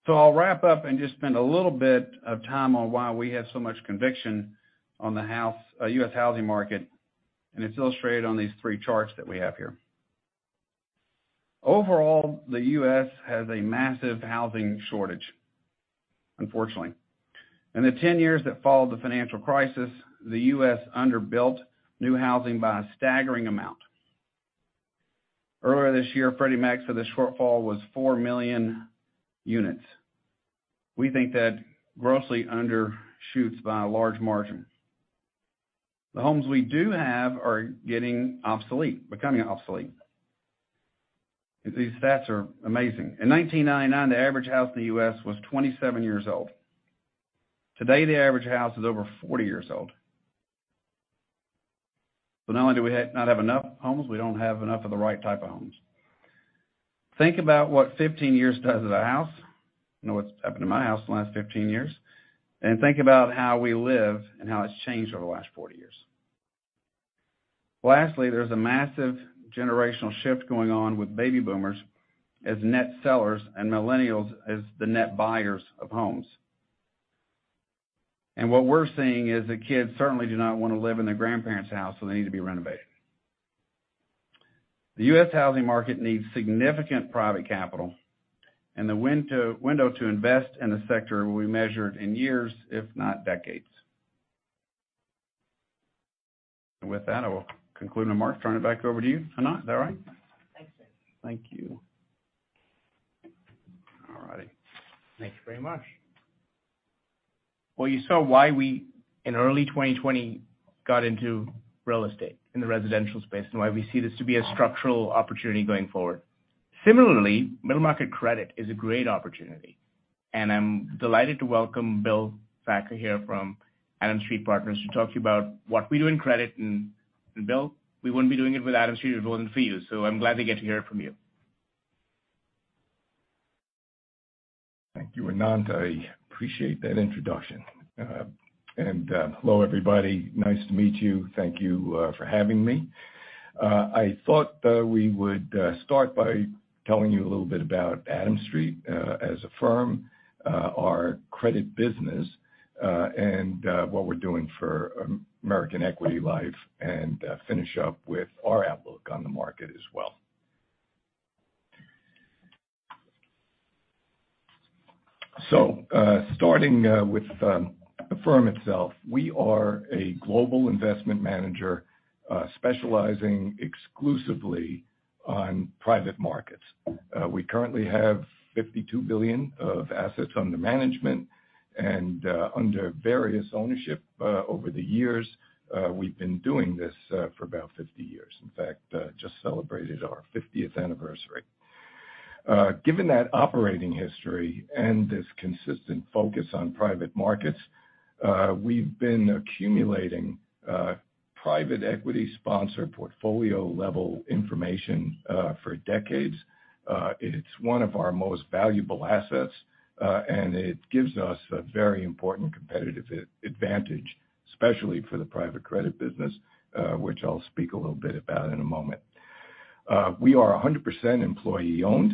I'll wrap up and just spend a little bit of time on why we have so much conviction on the U.S. housing market. It's illustrated on these three charts that we have here. Overall, the U.S. has a massive housing shortage, unfortunately. In the 10 years that followed the financial crisis, the U.S. underbuilt new housing by a staggering amount. Earlier this year, Freddie Mac said the shortfall was 4 million units. We think that grossly undershoots by a large margin. The homes we do have are getting obsolete, becoming obsolete. These stats are amazing. In 1999, the average house in the U.S. was 27 years old. Today, the average house is over 40 years old. Not only do we not have enough homes, we don't have enough of the right type of homes. Think about what 15 years does to the house. I know what's happened to my house in the last 15 years. Think about how we live and how it's changed over the last 40 years. Lastly, there's a massive generational shift going on with baby boomers as net sellers and millennials as the net buyers of homes. What we're seeing is that kids certainly do not wanna live in their grandparents' house, so they need to be renovated. The U.S. housing market needs significant private capital, and the window to invest in the sector will be measured in years, if not decades. With that, I will conclude and Mark turn it back over to you. Anant, is that all right? Thanks, Ted. Thank you. All righty. Thank you very much. Well, you saw why we, in early 2020, got into real estate in the residential space and why we see this to be a structural opportunity going forward. Similarly, middle market credit is a great opportunity, and I'm delighted to welcome Bill Sacher here from Adams Street Partners to talk to you about what we do in credit. Bill, we wouldn't be doing it with Adams Street if it wasn't for you, so I'm glad to get to hear it from you. Thank you, Anant. I appreciate that introduction. Hello, everybody. Nice to meet you. Thank you for having me. I thought we would start by telling you a little bit about Adams Street as a firm, our credit business, and what we're doing for American Equity Life, and finish up with our outlook on the market as well. Starting with the firm itself, we are a global investment manager, specializing exclusively on private markets. We currently have $52 billion of assets under management and under various ownership over the years. We've been doing this for about 50 years. In fact, just celebrated our 50th anniversary. Given that operating history and this consistent focus on private markets, we've been accumulating private equity sponsor portfolio-level information for decades. It's one of our most valuable assets, and it gives us a very important competitive advantage, especially for the private credit business, which I'll speak a little bit about in a moment. We are 100% employee-owned,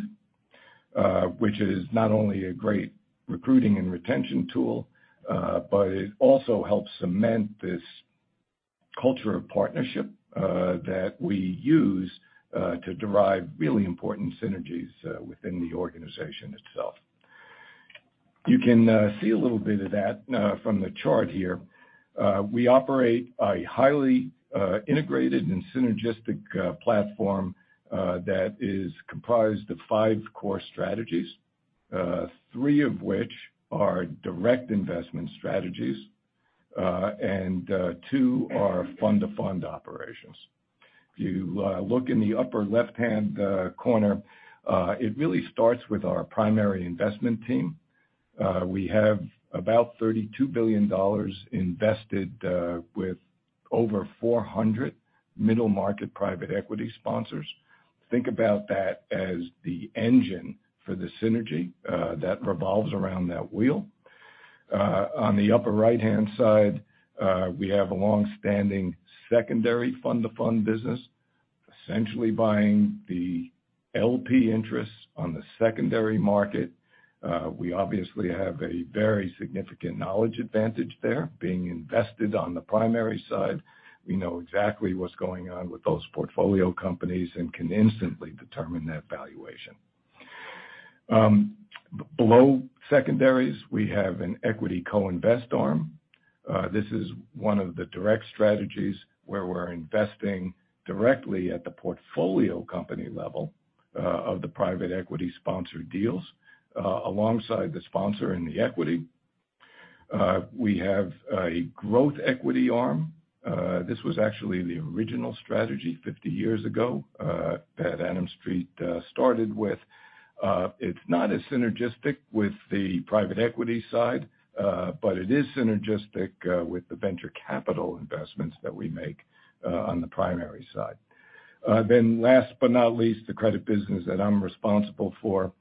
which is not only a great recruiting and retention tool, but it also helps cement this culture of partnership that we use to derive really important synergies within the organization itself. You can see a little bit of that from the chart here. We operate a highly integrated and synergistic platform that is comprised of five core strategies, three of which are direct investment strategies, and two are fund-to-fund operations. If you look in the upper left-hand corner, it really starts with our primary investment team. We have about $32 billion invested with over 400 middle market private equity sponsors. Think about that as the engine for the synergy that revolves around that wheel. On the upper right-hand side, we have a long-standing secondary fund-to-fund business, essentially buying the LP interests on the secondary market. We obviously have a very significant knowledge advantage there. Being invested on the primary side, we know exactly what's going on with those portfolio companies and can instantly determine their valuation. Below secondaries, we have an equity co-invest arm. This is one of the direct strategies where we're investing directly at the portfolio company level of the private equity sponsor deals alongside the sponsor in the equity. We have a growth equity arm. This was actually the original strategy 50 years ago that Adams Street started with. It's not as synergistic with the private equity side, but it is synergistic with the venture capital investments that we make on the primary side. Last but not least, the credit business that I'm responsible for.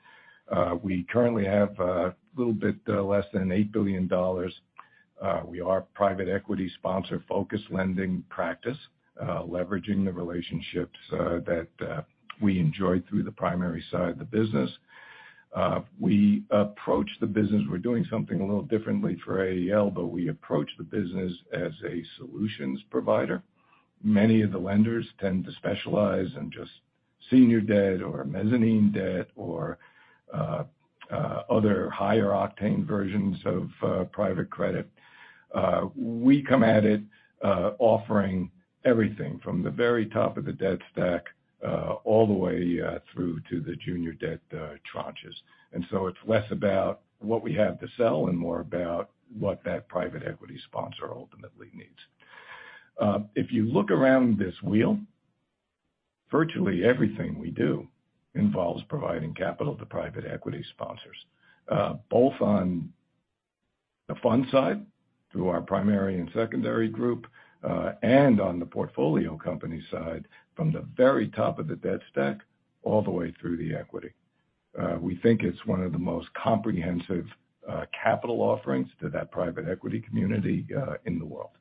We currently have a little bit less than $8 billion. We are a private equity sponsor-focused lending practice, leveraging the relationships that we enjoy through the primary side of the business. We approach the business... We're doing something a little differently for AEL, but we approach the business as a solutions provider. Many of the lenders tend to specialize in just senior debt or mezzanine debt or, other higher octane versions of private credit. We come at it, offering everything from the very top of the debt stack, all the way through to the junior debt, tranches. It's less about what we have to sell and more about what that private equity sponsor ultimately needs. If you look around this wheel, virtually everything we do involves providing capital to private equity sponsors, both on the fund side, through our primary and secondary group, and on the portfolio company side, from the very top of the debt stack all the way through the equity. We think it's one of the most comprehensive capital offerings to that private equity community in the world.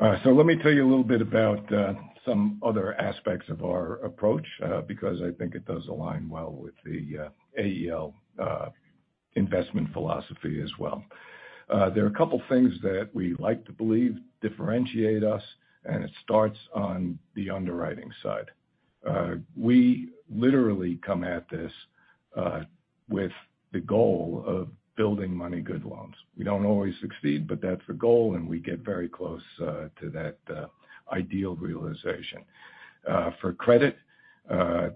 Let me tell you a little bit about some other aspects of our approach because I think it does align well with the AEL investment philosophy as well. There are a couple of things that we like to believe differentiate us, it starts on the underwriting side. We literally come at this with the goal of building money good loans. We don't always succeed, but that's the goal, and we get very close to that ideal realization. For credit,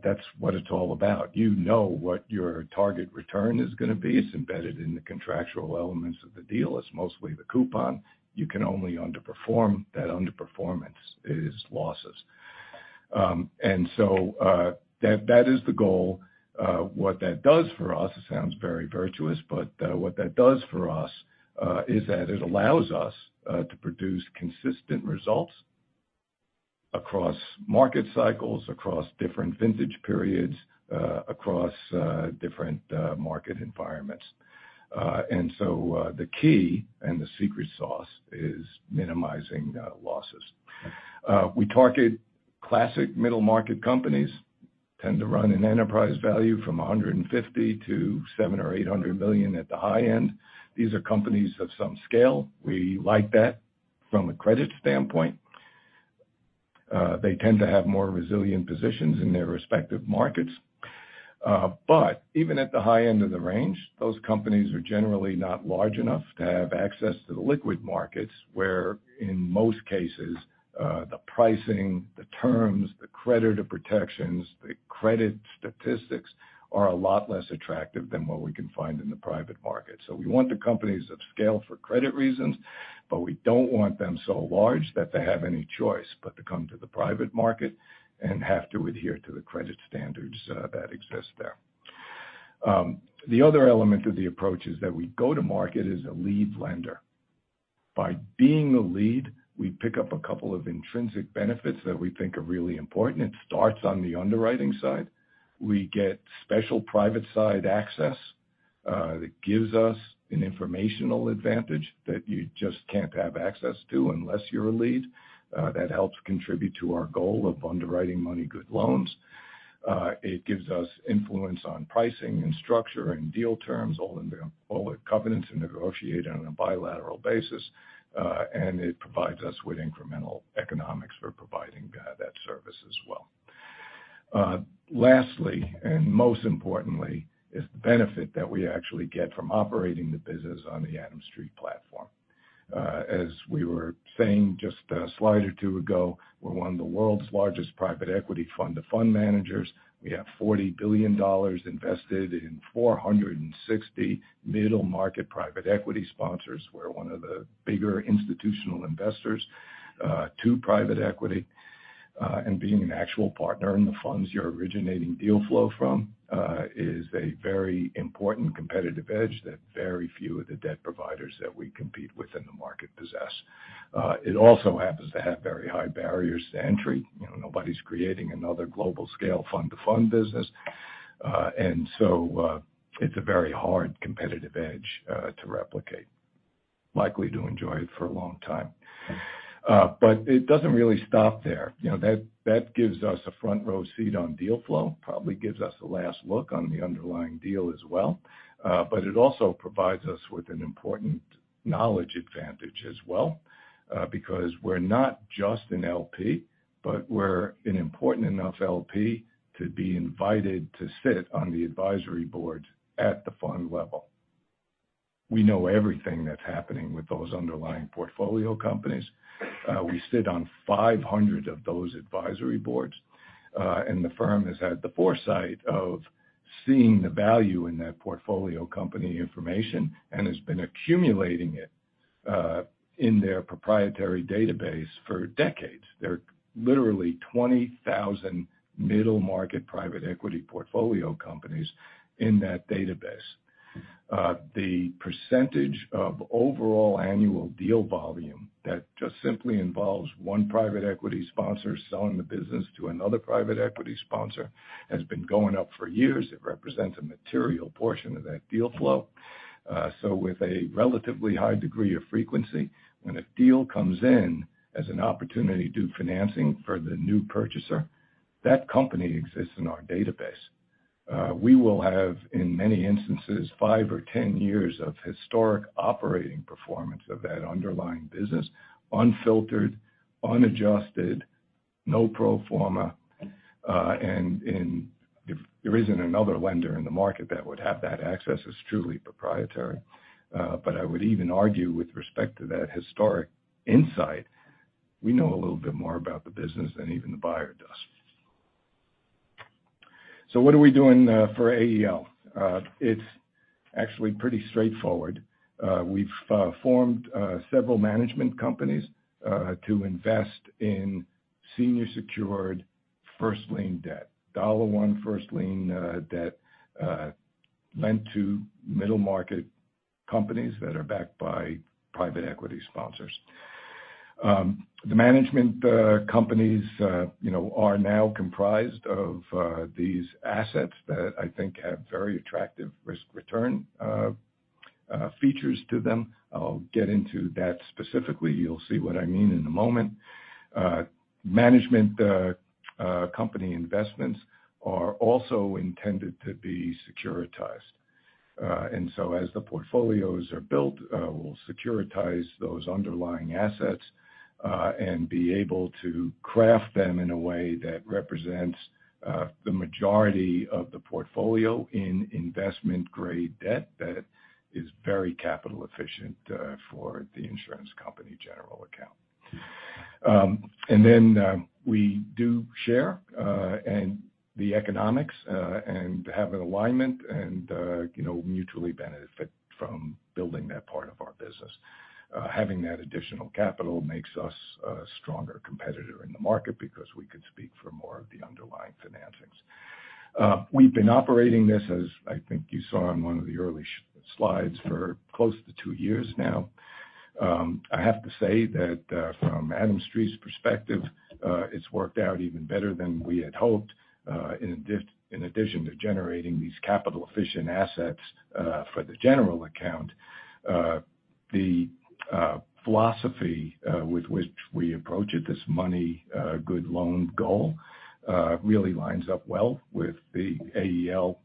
that's what it's all about. You know what your target return is gonna be. It's embedded in the contractual elements of the deal. It's mostly the coupon. You can only underperform. That underperformance is losses. That is the goal. What that does for us, it sounds very virtuous, but what that does for us is that it allows us to produce consistent results across market cycles, across different vintage periods, across different market environments. The key and the secret sauce is minimizing losses. We target classic middle-market companies, tend to run an enterprise value from $150 million-$700 million or $800 million at the high end. These are companies of some scale. We like that from a credit standpoint. They tend to have more resilient positions in their respective markets. Even at the high end of the range, those companies are generally not large enough to have access to the liquid markets, where in most cases, the pricing, the terms, the credit protections, the credit statistics are a lot less attractive than what we can find in the private market. We want the companies of scale for credit reasons, but we don't want them so large that they have any choice but to come to the private market and have to adhere to the credit standards that exist there. The other element of the approach is that we go to market as a lead lender. By being a lead, we pick up a couple of intrinsic benefits that we think are really important. It starts on the underwriting side. We get special private side access that gives us an informational advantage that you just can't have access to unless you're a lead. That helps contribute to our goal of underwriting money good loans. It gives us influence on pricing and structure and deal terms, all the covenants and negotiate on a bilateral basis, and it provides us with incremental economics for providing that service as well. Lastly, and most importantly, is the benefit that we actually get from operating the business on the Adams Street platform. As we were saying just a slide or two ago, we're one of the world's largest private equity fund to fund managers. We have $40 billion invested in 460 middle-market private equity sponsors. We're one of the bigger institutional investors to private equity, and being an actual partner in the funds you're originating deal flow from, is a very important competitive edge that very few of the debt providers that we compete with in the market possess. It also happens to have very high barriers to entry. You know, nobody's creating another global scale fund to fund business. So, it's a very hard competitive edge to replicate. Likely to enjoy it for a long time. It doesn't really stop there. You know, that gives us a front-row seat on deal flow, probably gives us a last look on the underlying deal as well. It also provides us with an important knowledge advantage as well, because we're not just an LP, but we're an important enough LP to be invited to sit on the advisory board at the fund level. We know everything that's happening with those underlying portfolio companies. We sit on 500 of those advisory boards. The firm has had the foresight of seeing the value in that portfolio company information and has been accumulating it, in their proprietary database for decades. There are literally 20,000 middle-market private equity portfolio companies in that database. The percentage of overall annual deal volume that just simply involves one private equity sponsor selling the business to another private equity sponsor has been going up for years. It represents a material portion of that deal flow. With a relatively high degree of frequency, when a deal comes in as an opportunity to do financing for the new purchaser, that company exists in our database. We will have, in many instances, five or 10 years of historic operating performance of that underlying business, unfiltered, unadjusted, no pro forma. There isn't another lender in the market that would have that access. It's truly proprietary. I would even argue with respect to that historic insight, we know a little bit more about the business than even the buyer does. What are we doing for AEL? It's actually pretty straightforward. We've formed several management companies to invest in senior secured first lien debt, $1 first lien debt lent to middle market companies that are backed by private equity sponsors. The management companies, you know, are now comprised of these assets that I think have very attractive risk-return features to them. I'll get into that specifically. You'll see what I mean in a moment. Management company investments are also intended to be securitized. As the portfolios are built, we'll securitize those underlying assets and be able to craft them in a way that represents the majority of the portfolio in investment-grade debt that is very capital efficient for the insurance company general account. Then we do share and the economics and have an alignment and, you know, mutually benefit from building that part of our business. Having that additional capital makes us a stronger competitor in the market because we could speak for more of the underlying financings. We've been operating this as I think you saw on one of the early slides for close to two years now. I have to say that from Adams Street's perspective, it's worked out even better than we had hoped. In addition to generating these capital-efficient assets for the general account, the philosophy with which we approach it, this money, good loan goal, really lines up well with the AEL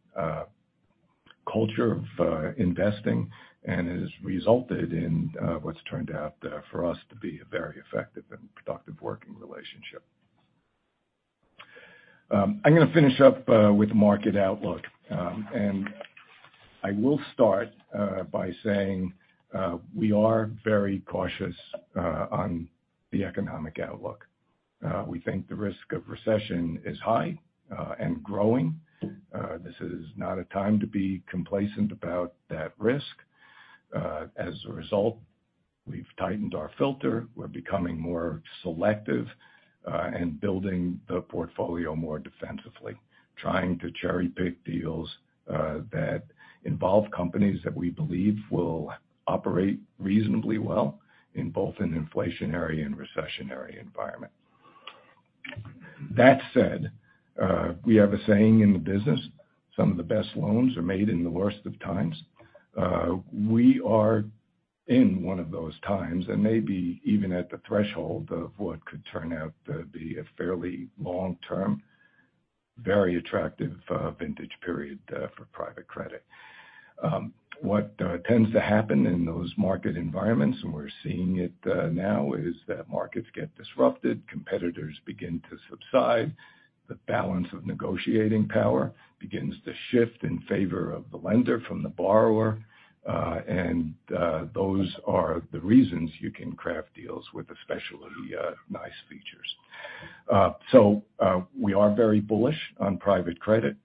culture of investing and has resulted in what's turned out for us to be a very effective and productive working relationship. I'm gonna finish up with market outlook. I will start by saying we are very cautious on the economic outlook. We think the risk of recession is high and growing. This is not a time to be complacent about that risk. As a result, we've tightened our filter. We're becoming more selective, and building the portfolio more defensively, trying to cherry-pick deals that involve companies that we believe will operate reasonably well in both an inflationary and recessionary environment. That said, we have a saying in the business, some of the best loans are made in the worst of times. We are in one of those times and maybe even at the threshold of what could turn out to be a fairly long-term, very attractive, vintage period for private credit. What tends to happen in those market environments, and we're seeing it now, is that markets get disrupted, competitors begin to subside, the balance of negotiating power begins to shift in favor of the lender from the borrower, and those are the reasons you can craft deals with especially nice features. We are very bullish on private credit,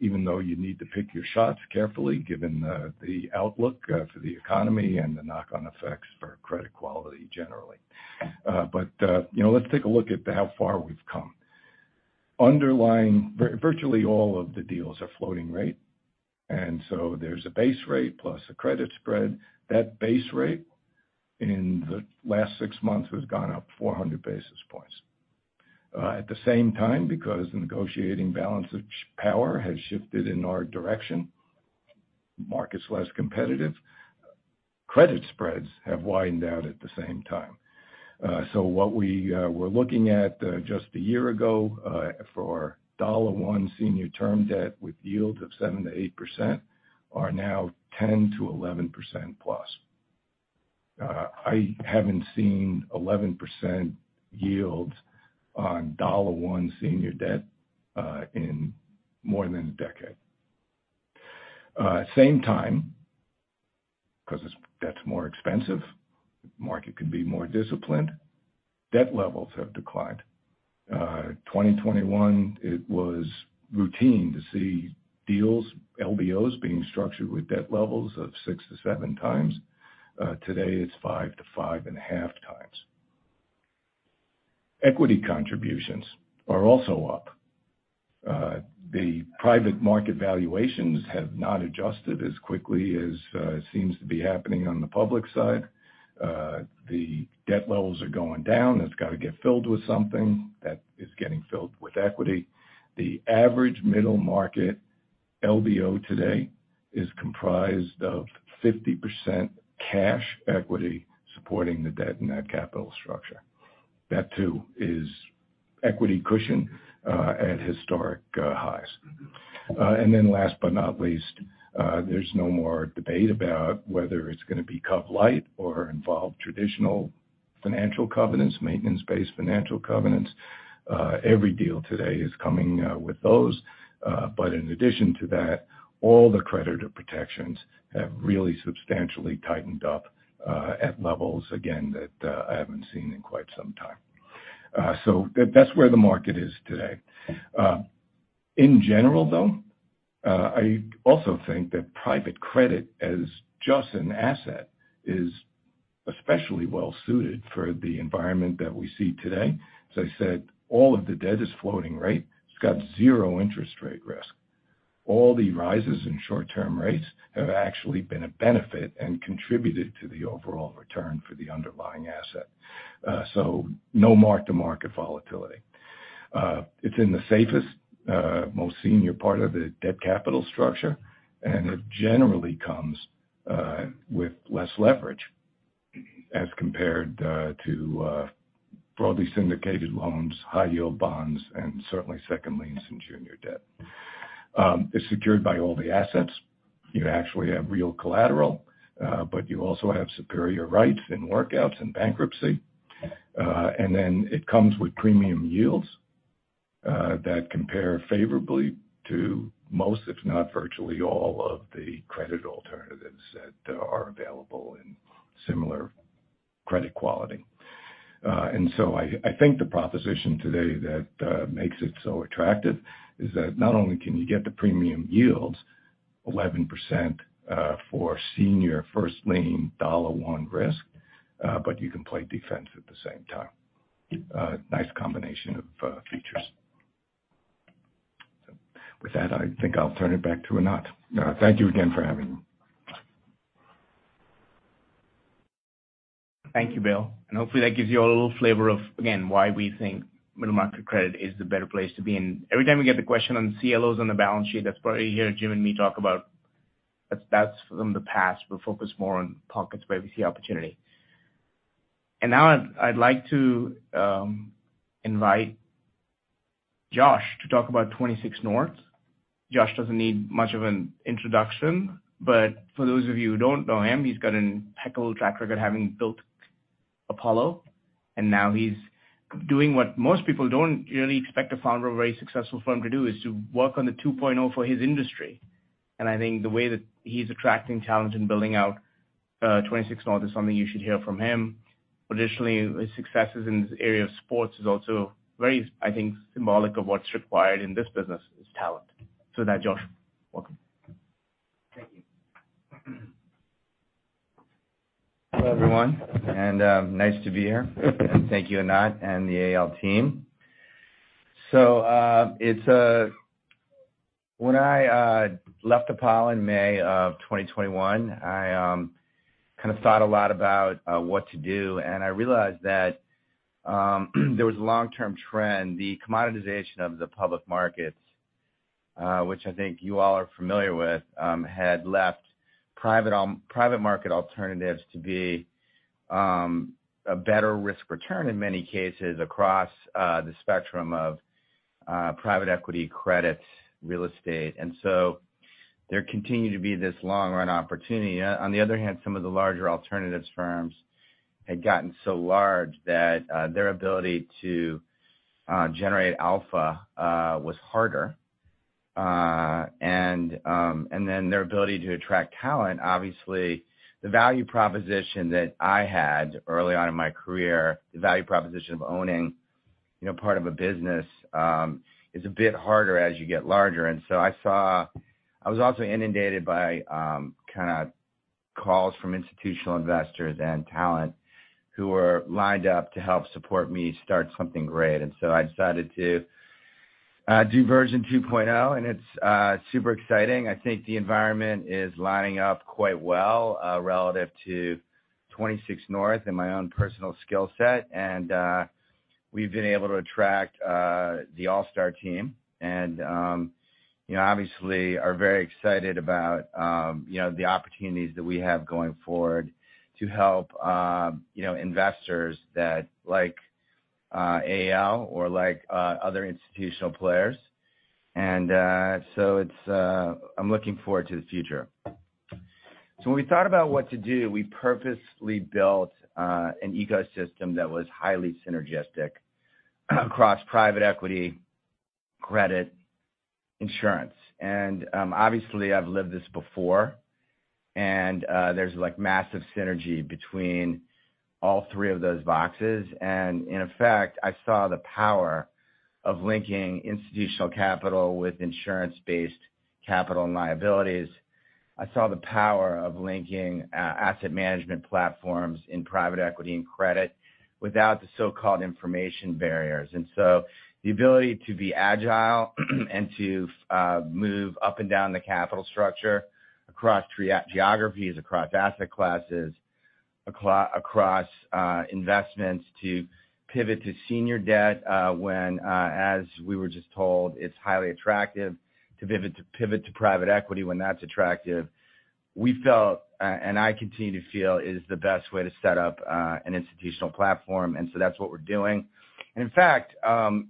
even though you need to pick your shots carefully given the outlook for the economy and the knock-on effects for credit quality generally. You know, let's take a look at how far we've come. Virtually all of the deals are floating rate, and so there's a base rate plus a credit spread. That base rate in the last six months has gone up 400 basis points. At the same time, because the negotiating balance of power has shifted in our direction, market's less competitive, credit spreads have widened out at the same time. So what we were looking at just a year ago for dollar one senior term debt with yields of 7%-8% are now 10%-11%+. I haven't seen 11% yield on dollar one senior debt in more than a decade. Same time, 'cause debt's more expensive, market can be more disciplined, debt levels have declined. 2021, it was routine to see deals, LBOs being structured with debt levels of 6x-7x. Today it's 5x-5.5x. Equity contributions are also up. The private market valuations have not adjusted as quickly as seems to be happening on the public side. The debt levels are going down. It's gotta get filled with something. That is getting filled with equity. The average middle market LBO today is comprised of 50% cash equity supporting the debt in that capital structure. That too is equity cushion at historic highs. Last but not least, there's no more debate about whether it's gonna be cov-lite or involve traditional financial covenants, maintenance-based financial covenants. Every deal today is coming with those. In addition to that, all the creditor protections have really substantially tightened up at levels again that I haven't seen in quite some time. That's where the market is today. In general though, I also think that private credit as just an asset is especially well suited for the environment that we see today. As I said, all of the debt is floating rate. It's got zero interest rate risk. All the rises in short-term rates have actually been a benefit and contributed to the overall return for the underlying asset. No mark-to-market volatility. It's in the safest, most senior part of the debt capital structure, and it generally comes with less leverage as compared to broadly syndicated loans, high yield bonds, and certainly second liens and junior debt. It's secured by all the assets. You actually have real collateral, but you also have superior rights in workouts and bankruptcy. It comes with premium yields that compare favorably to most, if not virtually all of the credit alternatives that are available in similar credit quality. I think the proposition today that makes it so attractive is that not only can you get the premium yields 11%, for senior first lien dollar one risk, but you can play defense at the same time. Nice combination of features. With that, I think I'll turn it back to Anant. Thank you again for having me. Thank you, Bill. Hopefully that gives you all a little flavor of, again, why we think middle market credit is the better place to be. Every time we get the question on CLOs on the balance sheet, that's where you hear Jim and me talk about that's from the past. We're focused more on pockets where we see opportunity. Now I'd like to invite Josh to talk about 26North. Josh doesn't need much of an introduction, but for those of you who don't know him, he's got an impeccable track record having built Apollo, and now he's doing what most people don't really expect a founder of a very successful firm to do, is to work on the 2.0 for his industry. I think the way that he's attracting talent and building out, 26North is something you should hear from him. Additionally, his successes in this area of sports is also very, I think, symbolic of what's required in this business, is talent. With that, Josh, welcome. Thank you. Hello, everyone, and nice to be here. Thank you, Anant and the AEL team. When I left Apollo in May of 2021, I kind of thought a lot about what to do, and I realized that there was a long-term trend. The commoditization of the public markets, which I think you all are familiar with, had left private market alternatives to be a better risk return in many cases across the spectrum of private equity, credits, real estate. There continued to be this long run opportunity. On the other hand, some of the larger alternatives firms had gotten so large that their ability to generate alpha was harder. Their ability to attract talent, obviously the value proposition that I had early on in my career, the value proposition of owning, you know, part of a business, is a bit harder as you get larger. I was also inundated by kinda calls from institutional investors and talent who were lined up to help support me start something great. I decided to do version 2.0, and it's super exciting. I think the environment is lining up quite well, relative to 26North and my own personal skill set. We've been able to attract the all-star team and, you know, obviously are very excited about, you know, the opportunities that we have going forward to help, you know, investors that like AEL or like other institutional players. It's I'm looking forward to the future. When we thought about what to do, we purposely built an ecosystem that was highly synergistic across private equity, credit, insurance. Obviously, I've lived this before, and there's like massive synergy between all three of those boxes. In effect, I saw the power of linking institutional capital with insurance-based capital and liabilities. I saw the power of linking asset management platforms in private equity and credit without the so-called information barriers. The ability to be agile and to move up and down the capital structure across geographies, across asset classes, across investments to pivot to senior debt, when as we were just told, it's highly attractive to pivot to private equity when that's attractive, we felt, and I continue to feel is the best way to set up an institutional platform. That's what we're doing. In fact,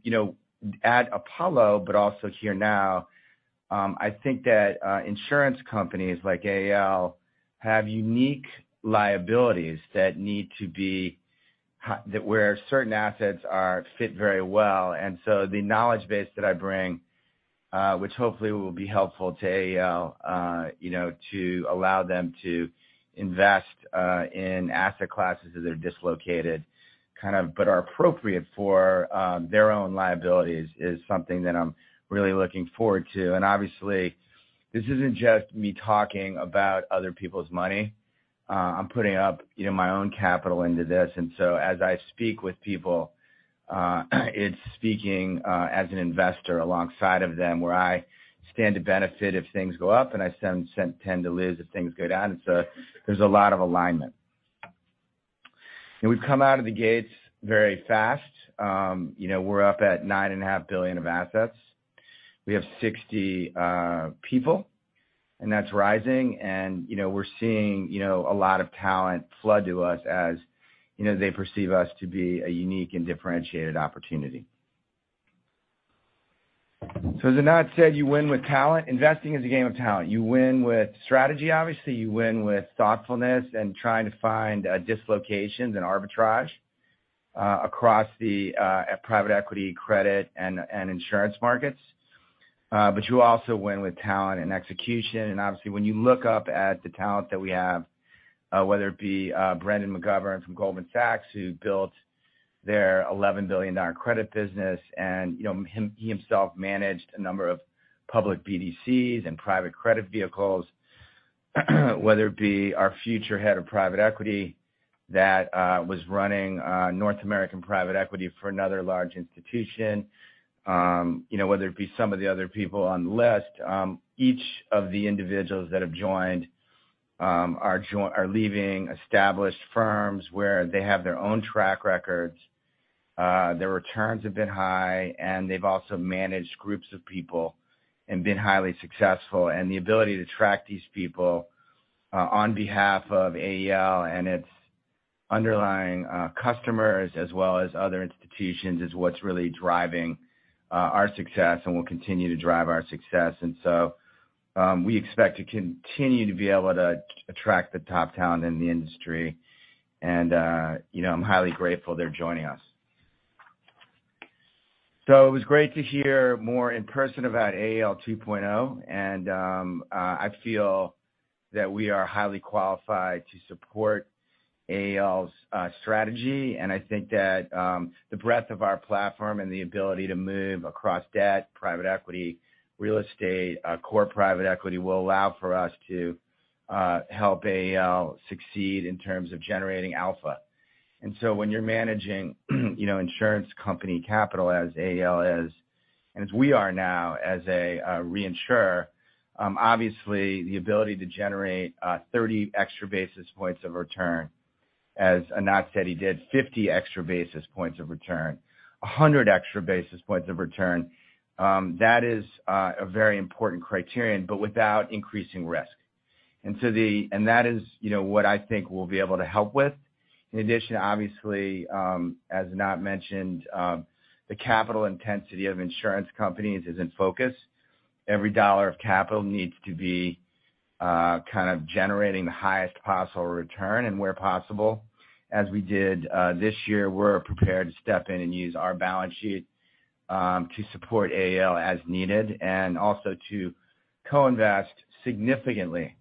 you know, at Apollo, but also here now, I think that insurance companies like AEL have unique liabilities that need to be that where certain assets are fit very well. The knowledge base that I bring, which hopefully will be helpful to AEL, you know, to allow them to invest in asset classes that are dislocated kind of, but are appropriate for their own liabilities is something that I'm really looking forward to. This isn't just me talking about other people's money. I'm putting up, you know, my own capital into this. As I speak with people, it's speaking as an investor alongside of them where I stand to benefit if things go up, and I tend to lose if things go down. There's a lot of alignment. We've come out of the gates very fast. You know, we're up at $9.5 billion of assets. We have 60 people, and that's rising. You know, we're seeing, you know, a lot of talent flood to us as, you know, they perceive us to be a unique and differentiated opportunity. As Anant said, you win with talent. Investing is a game of talent. You win with strategy, obviously. You win with thoughtfulness and trying to find dislocations and arbitrage across the private equity, credit and insurance markets. You also win with talent and execution. Obviously, when you look up at the talent that we have, whether it be Brendan McGovern from Goldman Sachs, who built their $11 billion credit business, and, you know, he himself managed a number of public BDCs and private credit vehicles, whether it be our future head of private equity that was running North American private equity for another large institution, you know, whether it be some of the other people on the list, each of the individuals that have joined are leaving established firms where they have their own track records. Their returns have been high, and they've also managed groups of people and been highly successful. The ability to track these people on behalf of AEL and its underlying customers, as well as other institutions, is what's really driving our success and will continue to drive our success. We expect to continue to be able to attract the top talent in the industry. You know, I'm highly grateful they're joining us. It was great to hear more in person about AEL 2.0, and I feel that we are highly qualified to support AEL's strategy. I think that, the breadth of our platform and the ability to move across debt, private equity, real estate, core private equity, will allow for us to help AEL succeed in terms of generating alpha. When you're managing, you know, insurance company capital as AAL is, and as we are now as a reinsurer, obviously the ability to generate, 30 extra basis points of return, as Anant said he did 50 extra basis points of return, 100 extra basis points of return, that is, a very important criterion, but without increasing risk. That is, you know, what I think we'll be able to help with. In addition, obviously, as Anant mentioned, the capital intensity of insurance companies is in focus. Every $1 of capital needs to be, kind of generating the highest possible return and where possible. As we did, this year, we're prepared to step in and use our balance sheet, to support AEL as needed and also to co-invest significantly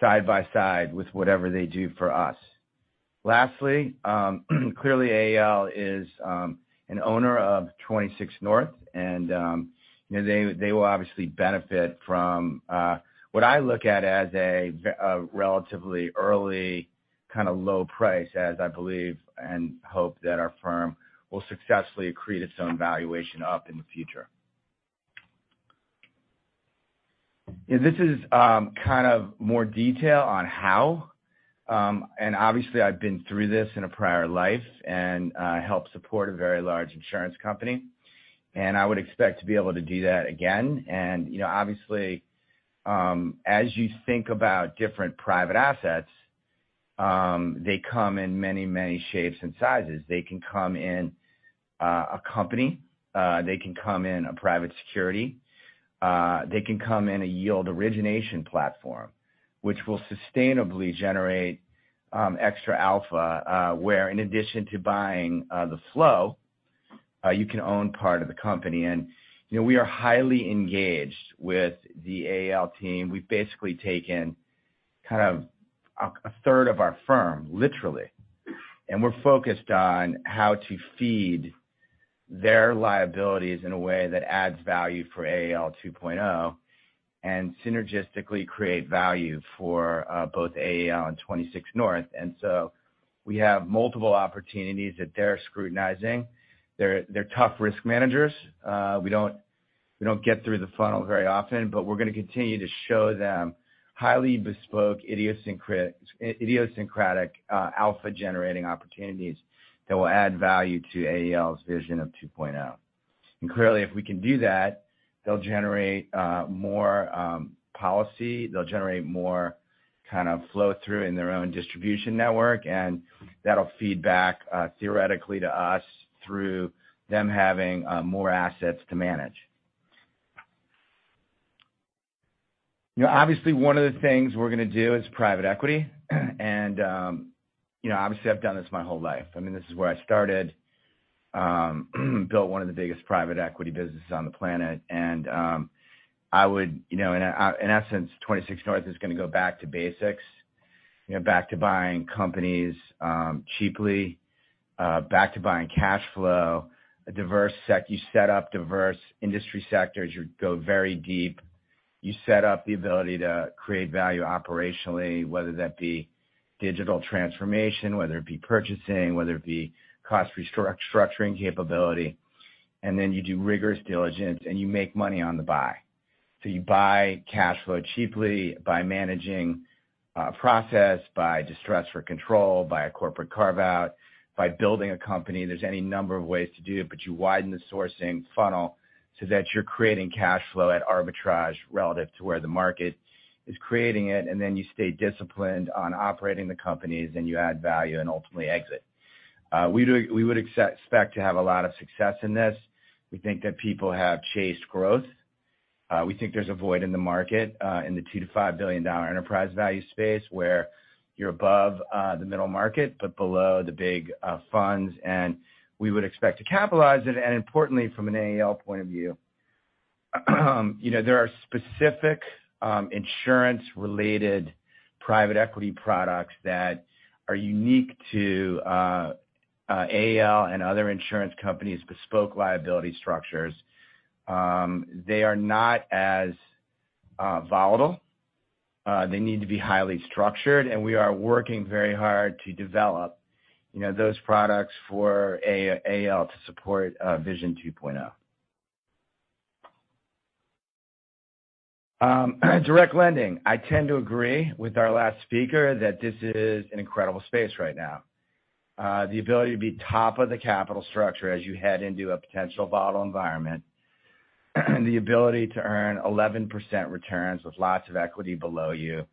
side by side with whatever they do for us. Lastly, clearly AEL is an owner of 26North and, you know, they will obviously benefit from what I look at as a relatively early kind of low price, as I believe and hope that our firm will successfully accrete its own valuation up in the future. This is kind of more detail on how, obviously I've been through this in a prior life and helped support a very large insurance company, and I would expect to be able to do that again. You know, obviously, as you think about different private assets. They come in many, many shapes and sizes. They can come in a company, they can come in a private security, they can come in a yield origination platform, which will sustainably generate extra alpha, where in addition to buying the flow, you can own part of the company. you know, we are highly engaged with the AEL team. We've basically taken kind of a third of our firm, literally, and we're focused on how to feed their liabilities in a way that adds value for AEL 2.0 and synergistically create value for both AEL and 26North. we have multiple opportunities that they're scrutinizing. They're tough risk managers. We don't, we don't get through the funnel very often, but we're gonna continue to show them highly bespoke, idiosyncratic, alpha-generating opportunities that will add value to AEL's vision of 2.0. Clearly, if we can do that, they'll generate more policy, they'll generate more kind of flow through in their own distribution network, and that'll feed back theoretically to us through them having more assets to manage. You know, obviously one of the things we're gonna do is private equity. You know, obviously I've done this my whole life. I mean, this is where I started, built one of the biggest private equity businesses on the planet. You know, in essence, 26North is gonna go back to basics. You know, back to buying companies, cheaply, back to buying cash flow. A diverse you set up diverse industry sectors. You go very deep. You set up the ability to create value operationally, whether that be digital transformation, whether it be purchasing, whether it be cost structuring capability, and then you do rigorous diligence, and you make money on the buy. You buy cash flow cheaply by managing, process, by distress for control, by a corporate carve-out, by building a company. There's any number of ways to do it, but you widen the sourcing funnel so that you're creating cash flow at arbitrage relative to where the market is creating it, and then you stay disciplined on operating the companies, and you add value and ultimately exit. We would expect to have a lot of success in this. We think that people have chased growth. We think there's a void in the market in the $2 billion-$5 billion enterprise value space where you're above the middle market but below the big funds, and we would expect to capitalize it. Importantly, from an AEL point of view, you know, there are specific insurance-related private equity products that are unique to AEL and other insurance companies' bespoke liability structures. They are not as volatile. They need to be highly structured, and we are working very hard to develop, you know, those products for AEL to support vision 2.0. Direct lending. I tend to agree with our last speaker that this is an incredible space right now. The ability to be top of the capital structure as you head into a potential volatile environment, the ability to earn 11% returns with lots of equity below you,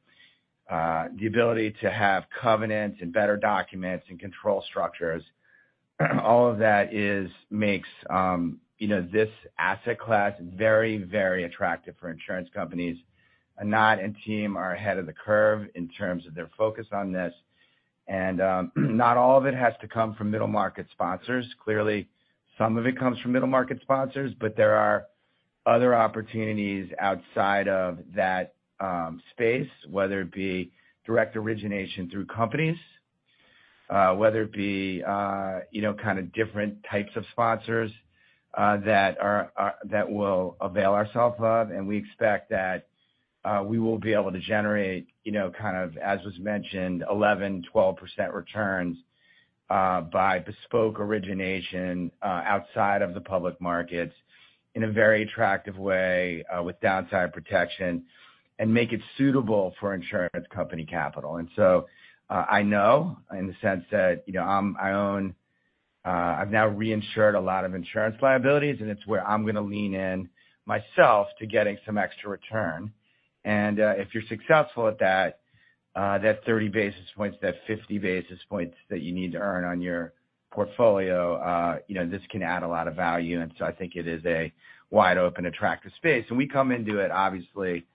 the ability to have covenants and better documents and control structures, all of that makes, you know, this asset class very, very attractive for insurance companies. Anant and team are ahead of the curve in terms of their focus on this. Not all of it has to come from middle market sponsors. Clearly, some of it comes from middle market sponsors, but there are other opportunities outside of that space, whether it be direct origination through companies, whether it be kind of different types of sponsors that we'll avail ourself of. We expect that we will be able to generate, as was mentioned, 11%-12% returns by bespoke origination outside of the public markets in a very attractive way with downside protection and make it suitable for insurance company capital. I know in the sense that I own, I've now reinsured a lot of insurance liabilities, and it's where I'm gonna lean in myself to getting some extra return. If you're successful at that 30 basis points, that 50 basis points that you need to earn on your portfolio, you know, this can add a lot of value. I think it is a wide open attractive space. We come into it obviously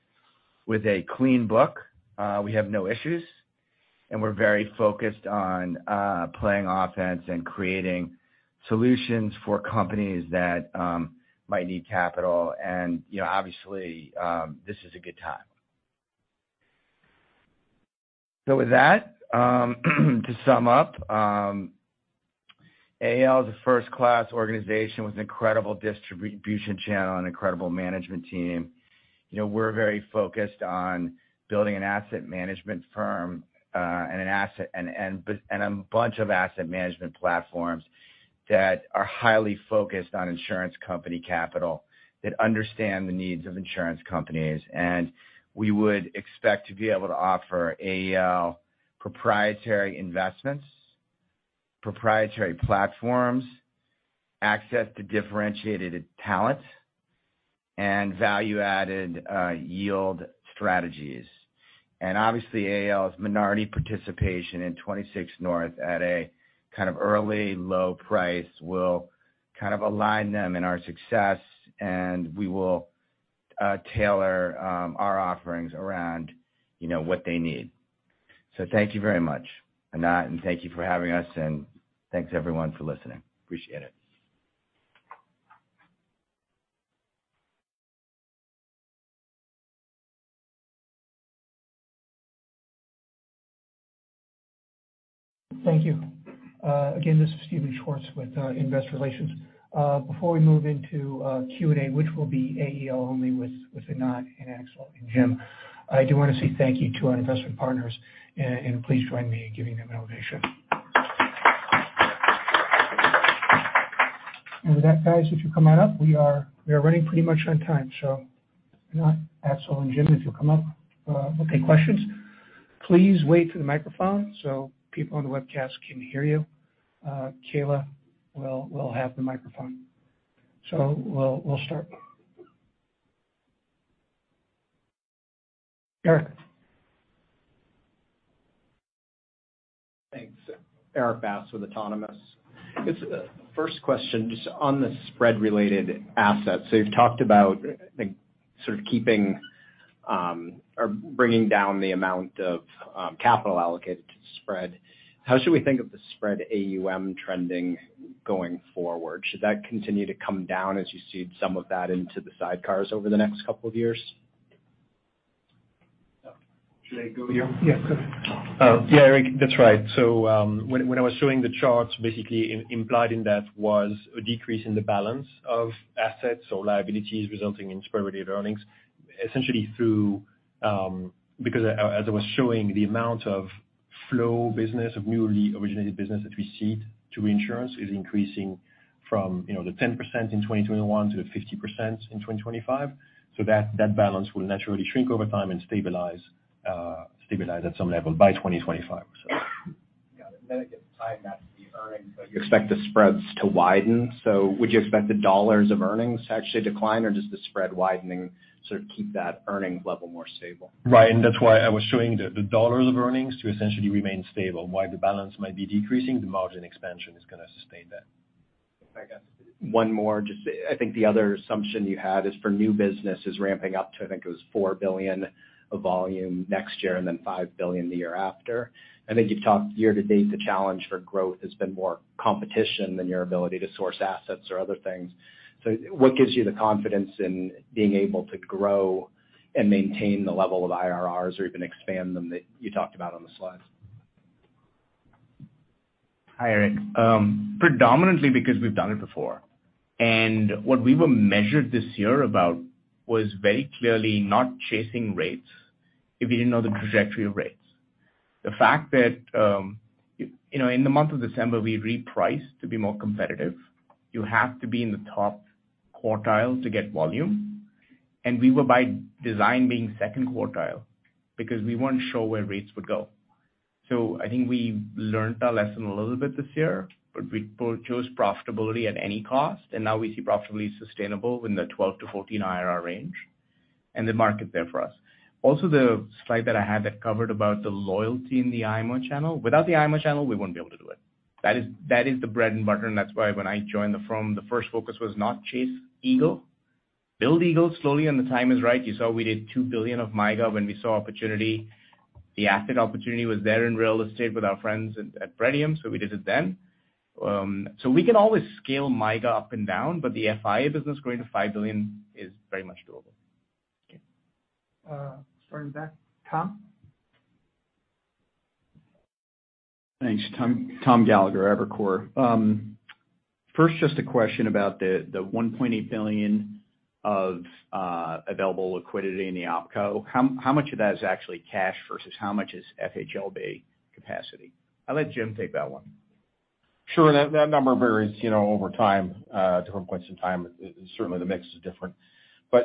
with a clean book. We have no issues, and we're very focused on playing offense and creating solutions for companies that might need capital. You know, obviously, this is a good time. With that, to sum up, AEL is a first-class organization with an incredible distribution channel and incredible management team. You know, we're very focused on building an asset management firm, and a bunch of asset management platforms that are highly focused on insurance company capital that understand the needs of insurance companies. We would expect to be able to offer AEL proprietary investments. Proprietary platforms, access to differentiated talents, and value-added yield strategies. Obviously, AEL's minority participation in 26North at a kind of early low price will kind of align them in our success, and we will tailor our offerings around, you know, what they need. Thank you very much, Anant, and thank you for having us, and thanks everyone for listening. Appreciate it. Thank you. Again, this is Steven Schwartz with Investor Relations. Before we move into Q&A, which will be AEL only Anant and Axel and Jim, I do want to say thank you to our investment partners and please join me in giving them an ovation. With that, guys, if you come on up, we are running pretty much on time. Anant, Axel, and Jim, if you'll come up, we'll take questions. Please wait for the microphone so people on the webcast can hear you. Kayla will have the microphone. We'll start. Erik Bass. Thanks. Eric Bass with Autonomous. Just, first question just on the spread-related assets. You've talked about like sort of keeping or bringing down the amount of capital allocated to spread. How should we think of the spread AUM trending going forward? Should that continue to come down as you cede some of that into the sidecars over the next couple of years? Should I go here? Yes, go ahead. Oh, yeah, Erik, that's right. When I was showing the charts, basically implied in that was a decrease in the balance of assets or liabilities resulting in spread-related earnings, essentially through because as I was showing the amount of flow business, of newly originated business that we cede to reinsurance is increasing from, you know, the 10% in 2021 to the 50% in 2025. That balance will naturally shrink over time and stabilize at some level by 2025. Got it. I guess tying that to the earnings, you expect the spreads to widen. Would you expect the dollars of earnings to actually decline or just the spread widening sort of keep that earnings level more stable? Right. That's why I was showing the dollars of earnings to essentially remain stable. While the balance might be decreasing, the margin expansion is going to sustain that. I guess one more. Just I think the other assumption you had is for new business is ramping up to, I think it was $4 billion of volume next year and then $5 billion the year after. I think you've talked year-to-date, the challenge for growth has been more competition than your ability to source assets or other things. What gives you the confidence in being able to grow and maintain the level of IRRs or even expand them that you talked about on the slides? Hi, Eric. Predominantly because we've done it before. What we were measured this year about was very clearly not chasing rates if you didn't know the trajectory of rates. The fact that, you know, in the month of December, we repriced to be more competitive. You have to be in the top quartile to get volume. We were by design being second quartile because we weren't sure where rates would go. I think we learned our lesson a little bit this year, but we chose profitability at any cost, and now we see profitability sustainable in the 12-14 IRR range and the market there for us. The slide that I had that covered about the loyalty in the IMO channel, without the IMO channel, we wouldn't be able to do it. That is the bread and butter. That's why when I joined the firm, the first focus was not chase Eagle. Build Eagle slowly. The time is right. You saw we did $2 billion of MIGA when we saw opportunity. The asset opportunity was there in real estate with our friends at Pretium. We did it then. We can always scale MIGA up and down, but the FIA business growing to $5 billion is very much doable. Okay. Starting back, Tom. Thanks. Tom Gallagher, Evercore. First, just a question about the $1.8 billion of available liquidity in the OpCo. How much of that is actually cash versus how much is FHLB capacity? I'll let Jim take that one. Sure. That number varies, you know, over time, different points in time. Certainly the mix is different.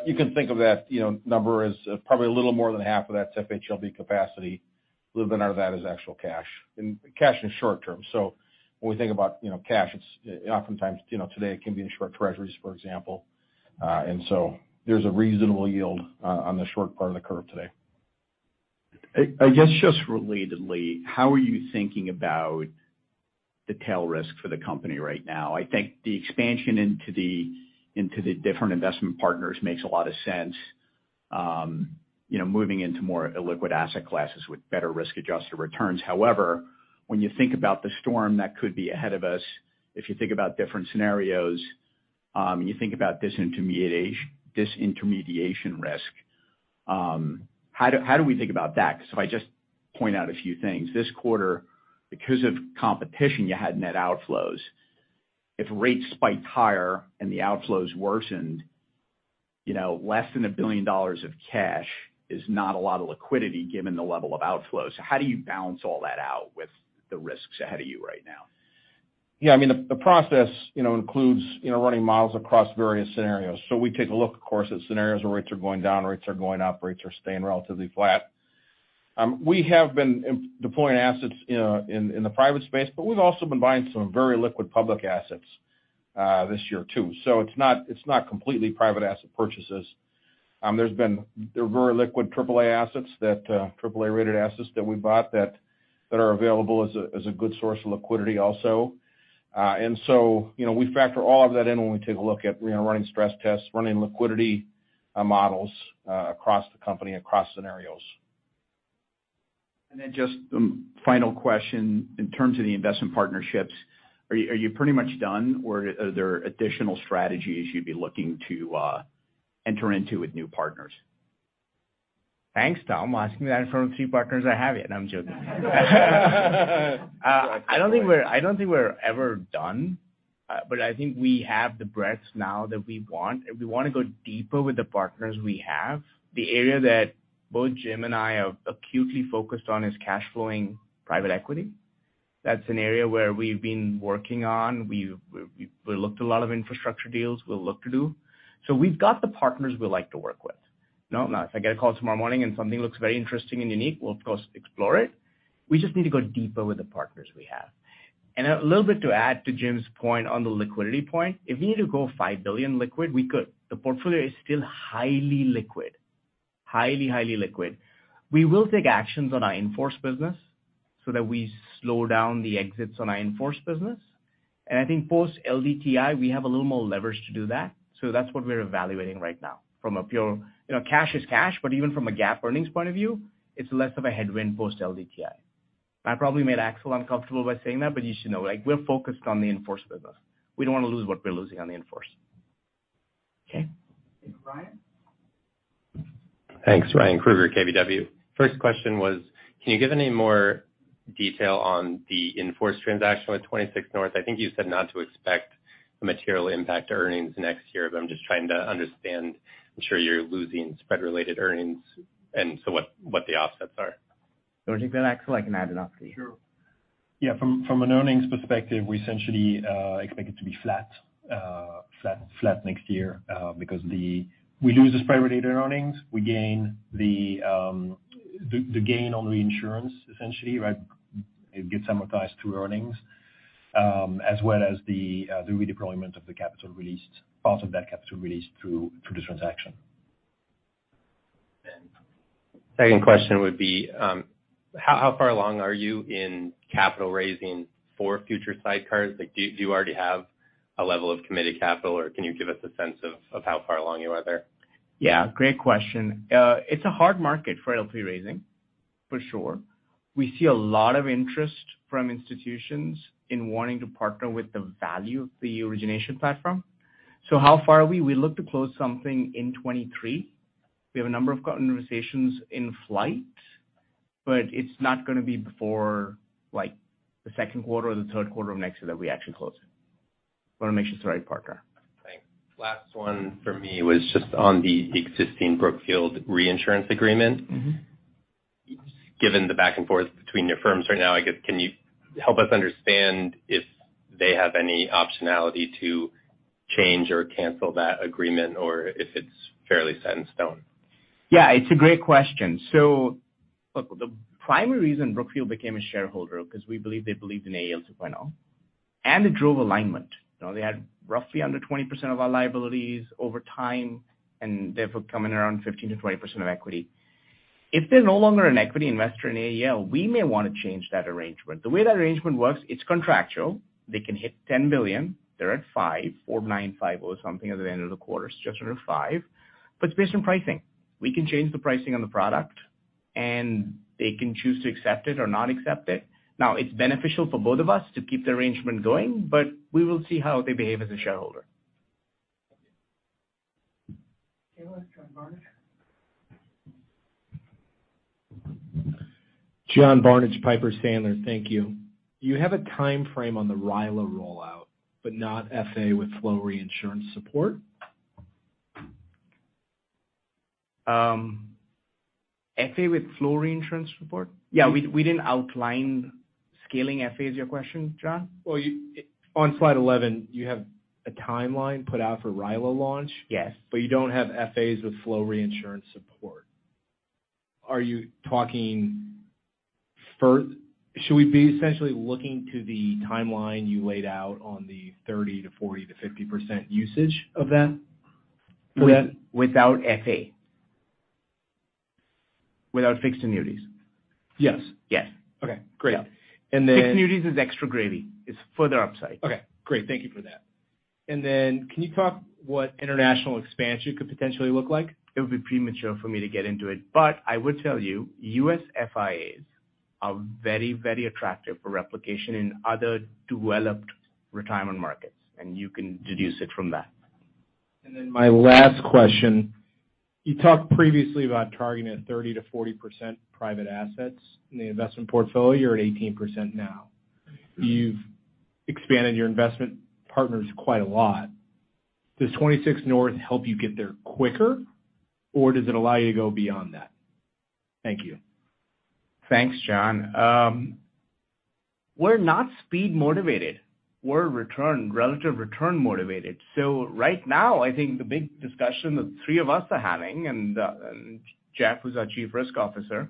You can think of that, you know, number as probably a little more than half of that's FHLB capacity. A little bit out of that is actual cash. Cash is short term. When we think about, you know, cash, it's oftentimes, you know, today it can be in short Treasuries, for example. There's a reasonable yield on the short part of the curve today. I guess just relatedly, how are you thinking about the tail risk for the company right now? I think the expansion into the different investment partners makes a lot of sense, you know, moving into more illiquid asset classes with better risk-adjusted returns. However, when you think about the storm that could be ahead of us, if you think about different scenarios, and you think about disintermediation risk, how do we think about that? If I just point out a few things. This quarter, because of competition, you had net outflows. If rates spiked higher and the outflows worsened, you know, less than $1 billion of cash is not a lot of liquidity given the level of outflows. How do you balance all that out with the risks ahead of you right now? Yeah, I mean, the process, you know, includes, you know, running models across various scenarios. We take a look, of course, at scenarios where rates are going down, rates are going up, rates are staying relatively flat. We have been deploying assets in the private space, but we've also been buying some very liquid public assets this year too. It's not completely private asset purchases. They're very liquid triple-A assets that triple-A-rated assets that we bought that are available as a good source of liquidity also. You know, we factor all of that in when we take a look at, we are running stress tests, running liquidity models across the company, across scenarios. Just final question. In terms of the investment partnerships, are you pretty much done, or are there additional strategies you'd be looking to enter into with new partners? Thanks, Tom. Asking that in front of three partners I have yet. I'm joking. I don't think we're ever done, but I think we have the breadth now that we want, and we wanna go deeper with the partners we have. The area that both Jim and I are acutely focused on is cash flowing private equity. That's an area where we've been working on. We've looked a lot of infrastructure deals we'll look to do. We've got the partners we like to work with. Now, if I get a call tomorrow morning and something looks very interesting and unique, we'll of course explore it. We just need to go deeper with the partners we have. A little bit to add to Jim's point on the liquidity point. If we need to go $5 billion liquid, we could. The portfolio is still highly liquid. Highly liquid. We will take actions on our in-force business so that we slow down the exits on our in-force business. I think post-LDTI, we have a little more leverage to do that's what we're evaluating right now. You know, cash is cash, but even from a GAAP earnings point of view, it's less of a headwind post-LDTI. I probably made Axel uncomfortable by saying that, but you should know, like, we're focused on the in-force business. We don't wanna lose what we're losing on the in-force. Okay. Ryan? Thanks. Ryan Krueger, KBW. First question was, can you give any more detail on the in-force transaction with 26North? I think you said not to expect a material impact to earnings next year. I'm just trying to understand. I'm sure you're losing spread-related earnings. What the offsets are? You want to take that, Axel? I can add Anant for you. Sure. Yeah, from an earnings perspective, we essentially expect it to be flat next year, because we lose the spread-related earnings. We gain the gain on reinsurance essentially, right? It gets amortized through earnings, as well as the redeployment of the capital released, part of that capital released through this transaction. Second question would be, how far along are you in capital raising for future sidecars? Like, do you already have a level of committed capital, or can you give us a sense of how far along you are there? Yeah, great question. It's a hard market for LP raising, for sure. We see a lot of interest from institutions in wanting to partner with the value of the origination platform. How far are we? We look to close something in 2023. We have a number of conversations in flight, but it's not gonna be before, like, the second quarter or the third quarter of next year that we actually close it. Wanna make sure it's the right partner. Thanks. Last one for me was just on the existing Brookfield Reinsurance agreement. Mm-hmm. Given the back and forth between your firms right now, I guess, can you help us understand if they have any optionality to change or cancel that agreement or if it's fairly set in stone? Yeah, it's a great question. Look, the primary reason Brookfield became a shareholder, 'cause we believe they believed in AEL 2.0, and it drove alignment. You know, they had roughly under 20% of our liabilities over time, and therefore coming around 15%-20% of equity. If they're no longer an equity investor in AEL, we may wanna change that arrangement. The way that arrangement works, it's contractual. They can hit $10 billion. They're at $5 billion, $4.95 billion or something at the end of the quarter, so just under $5 billion. It's based on pricing. We can change the pricing on the product, and they can choose to accept it or not accept it. Now, it's beneficial for both of us to keep the arrangement going, but we will see how they behave as a shareholder. Okay. Let's go to Barnidge. John Barnidge, Piper Sandler. Thank you. Do you have a timeframe on the RILA rollout, but not FA with flow reinsurance support? FA with flow reinsurance support? We didn't outline scaling FA, is your question, John? Well, on slide 11, you have a timeline put out for RILA launch. Yes. You don't have FAs with flow reinsurance support. Are you talking Should we be essentially looking to the timeline you laid out on the 30%-40%-50% usage of that for that? Without FA. Without fixed annuities. Yes. Yes. Okay, great. Yeah. And then- Fixed annuities is extra gravy. It's further upside. Okay, great. Thank you for that. Can you talk what international expansion could potentially look like? It would be premature for me to get into it, but I would tell you, U.S. FIAs are very, very attractive for replication in other developed retirement markets, and you can deduce it from that. My last question, you talked previously about targeting a 30%-40% private assets in the investment portfolio. You're at 18% now. You've expanded your investment partners quite a lot. Does 26North help you get there quicker, or does it allow you to go beyond that? Thank you. Thanks, John. We're not speed motivated. We're relative return motivated. Right now, I think the big discussion the three of us are having, and Jeff, who's our Chief Risk Officer,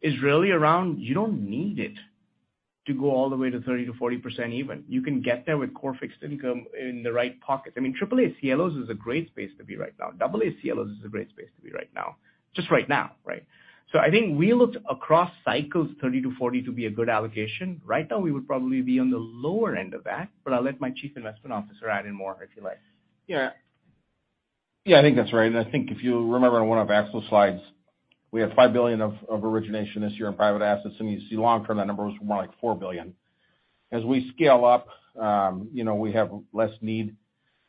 is really around you don't need it to go all the way to 30%-40% even. You can get there with core fixed income in the right pockets. I mean, Triple-A CLOs is a great space to be right now. Double-A CLOs is a great space to be right now. Just right now, right? I think we looked across cycles 30%-40% to be a good allocation. Right now, we would probably be on the lower end of that, but I'll let my Chief Investment Officer add in more if you like. Yeah. Yeah, I think that's right. I think if you remember in one of Axel's slides, we have $5 billion of origination this year in private assets, you see long term that number was more like $4 billion. As we scale up, you know, we have less need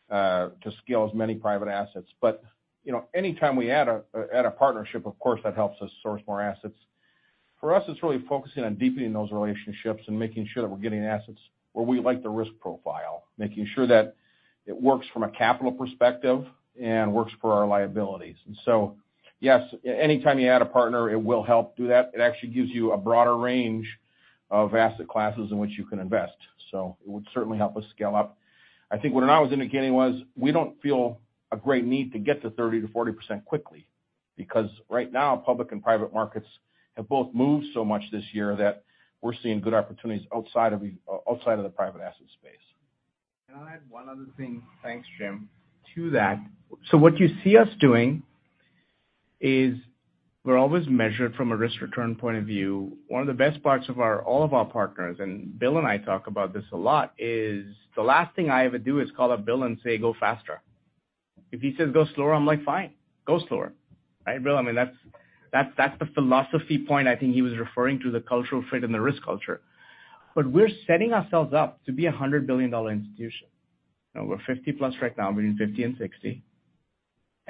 to scale as many private assets. You know, anytime we add a partnership, of course, that helps us source more assets. For us, it's really focusing on deepening those relationships and making sure that we're getting assets where we like the risk profile, making sure that it works from a capital perspective and works for our liabilities. Yes, anytime you add a partner, it will help do that. It actually gives you a broader range of asset classes in which you can invest. It would certainly help us scale up. I think Anant was indicating was we don't feel a great need to get to 30%-40% quickly because right now public and private markets have both moved so much this year that we're seeing good opportunities outside of the private asset space. Can I add one other thing, thanks, Jim, to that? What you see us doing is we're always measured from a risk-return point of view. One of the best parts of all of our partners, and Bill and I talk about this a lot, is the last thing I ever do is call up Bill and say, "Go faster." If he says, "Go slower," I'm like, "Fine, go slower." Right, Bill? I mean, that's the philosophy point I think he was referring to, the cultural fit and the risk culture. We're setting ourselves up to be a $100 billion institution. Now we're 50+ right now, between 50 and 60.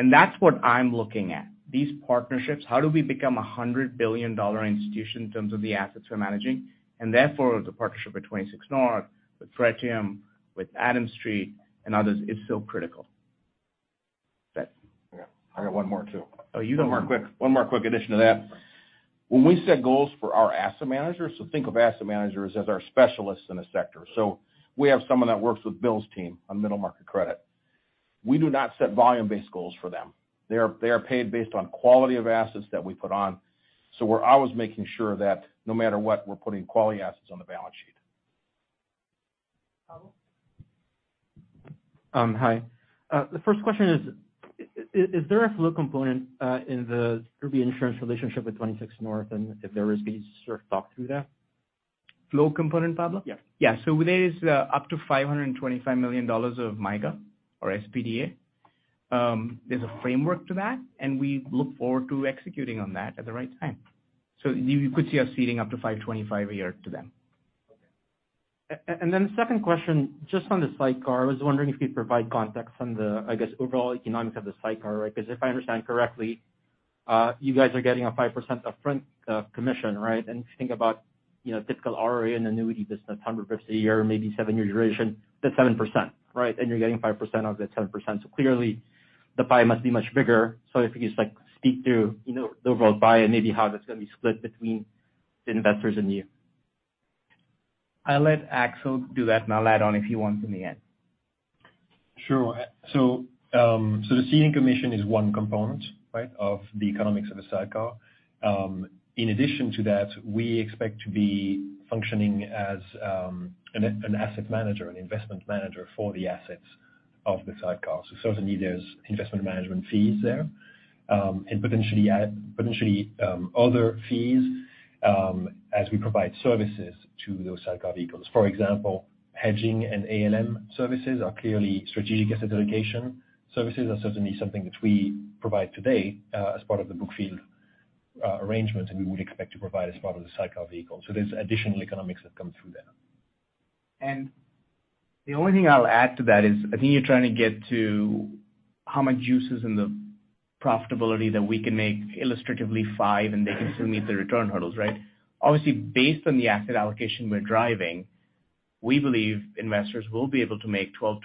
That's what I'm looking at. These partnerships, how do we become a $100 billion institution in terms of the assets we're managing? Therefore, the partnership with 26North, with Pretium, with Adams Street and others is so critical. I got one more too. One more quick addition to that. When we set goals for our asset managers, think of asset managers as our specialists in a sector. We have someone that works with Bill's team on middle market credit. We do not set volume-based goals for them. They are paid based on quality of assets that we put on. We're always making sure that no matter what, we're putting quality assets on the balance sheet. Pablo? Hi. The first question is there a flow component in the Remedy Insurance relationship with 26North? If there is, can you sort of talk through that? Flow component, Pablo? Yeah. Yeah. There is up to $525 million of MIGA or SPDA. There's a framework to that, and we look forward to executing on that at the right time. You could see us seeding up to $525 a year to them. Okay. Then second question, just on the sidecar, I was wondering if you'd provide context on the, I guess, overall economics of the sidecar, right? Because if I understand correctly, you guys are getting a 5% upfront commission, right? If you think about, you know, typical ROA and annuity business, $150 a year, maybe seven years duration, that's 7%, right? You're getting 5% of that 10%. Clearly the pie must be much bigger. If you could just like speak to, you know, the overall pie and maybe how that's going to be split between the investors and you. I'll let Axel do that, and I'll add on if he wants in the end. Sure. The seeding commission is one component, right, of the economics of a sidecar. In addition to that, we expect to be functioning as an asset manager, an investment manager for the assets of the sidecar. Certainly there's investment management fees there, and potentially other fees, as we provide services to those sidecar vehicles. For example, hedging and ALM services are clearly strategic asset allocation. Services are certainly something which we provide today as part of the Brookfield arrangement, and we would expect to provide as part of the sidecar vehicle. There's additional economics that come through there. The only thing I'll add to that is I think you're trying to get to how much use is in the profitability that we can make illustratively five, and they can still meet their return hurdles, right? Obviously, based on the asset allocation we're driving, we believe investors will be able to make 12%-14%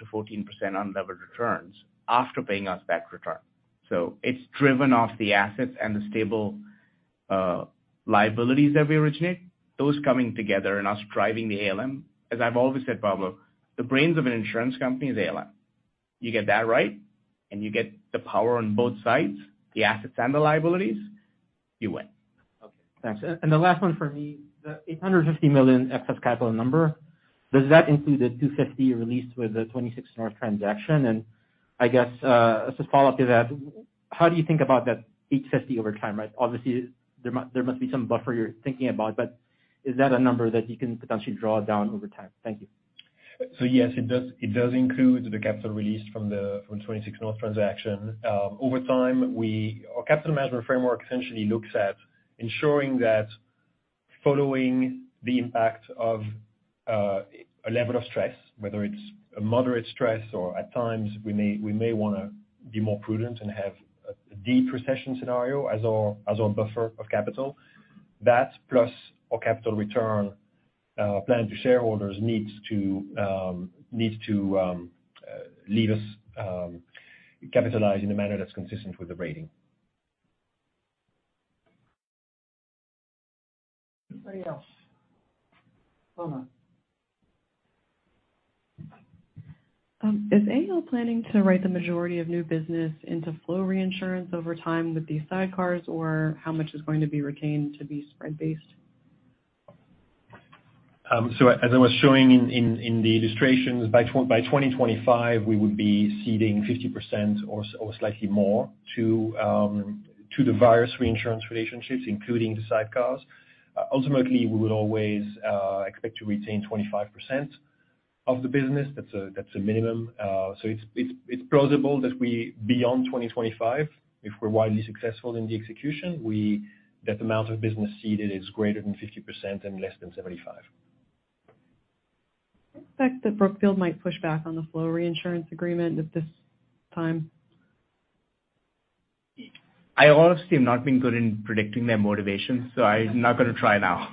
unlevered returns after paying us back return. It's driven off the assets and the stable liabilities that we originate, those coming together and us driving the ALM. As I've always said, Pablo, the brains of an insurance company is ALM. You get that right, you get the power on both sides, the assets and the liabilities, you win. Okay, thanks. The last one for me, the $850 million excess capital number, does that include the $250 released with the 26North transaction? I guess, as a follow-up to that, how do you think about that $850 over time, right? Obviously, there must be some buffer you're thinking about, but is that a number that you can potentially draw down over time? Thank you. Yes, it does include the capital released from 26North transaction. Over time, our capital management framework essentially looks at ensuring that following the impact of a level of stress, whether it's a moderate stress or at times we may wanna be more prudent and have a deep recession scenario as our buffer of capital. That plus our capital return plan to shareholders needs to leave us capitalized in a manner that's consistent with the rating. Anybody else? Hold on. Is AEL planning to write the majority of new business into flow reinsurance over time with these sidecars, or how much is going to be retained to be spread-based? So as I was showing in the illustrations, by 2025, we would be ceding 50% or slightly more to the various reinsurance relationships, including the sidecars. Ultimately, we would always expect to retain 25% of the business. That's a minimum. It's plausible that we, beyond 2025, if we're widely successful in the execution, that the amount of business ceded is greater than 50% and less than 75%. I expect that Brookfield might push back on the flow reinsurance agreement at this time. I honestly have not been good in predicting their motivations, so I'm not gonna try now.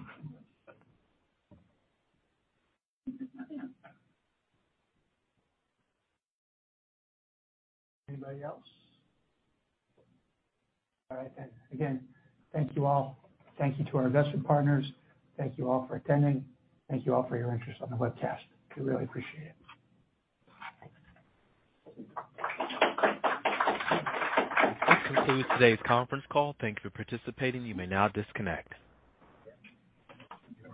Anybody else? All right, thanks. Again, thank you all. Thank you to our investment partners. Thank you all for attending. Thank you all for your interest on the webcast. We really appreciate it. This concludes today's conference call. Thank you for participating. You may now disconnect.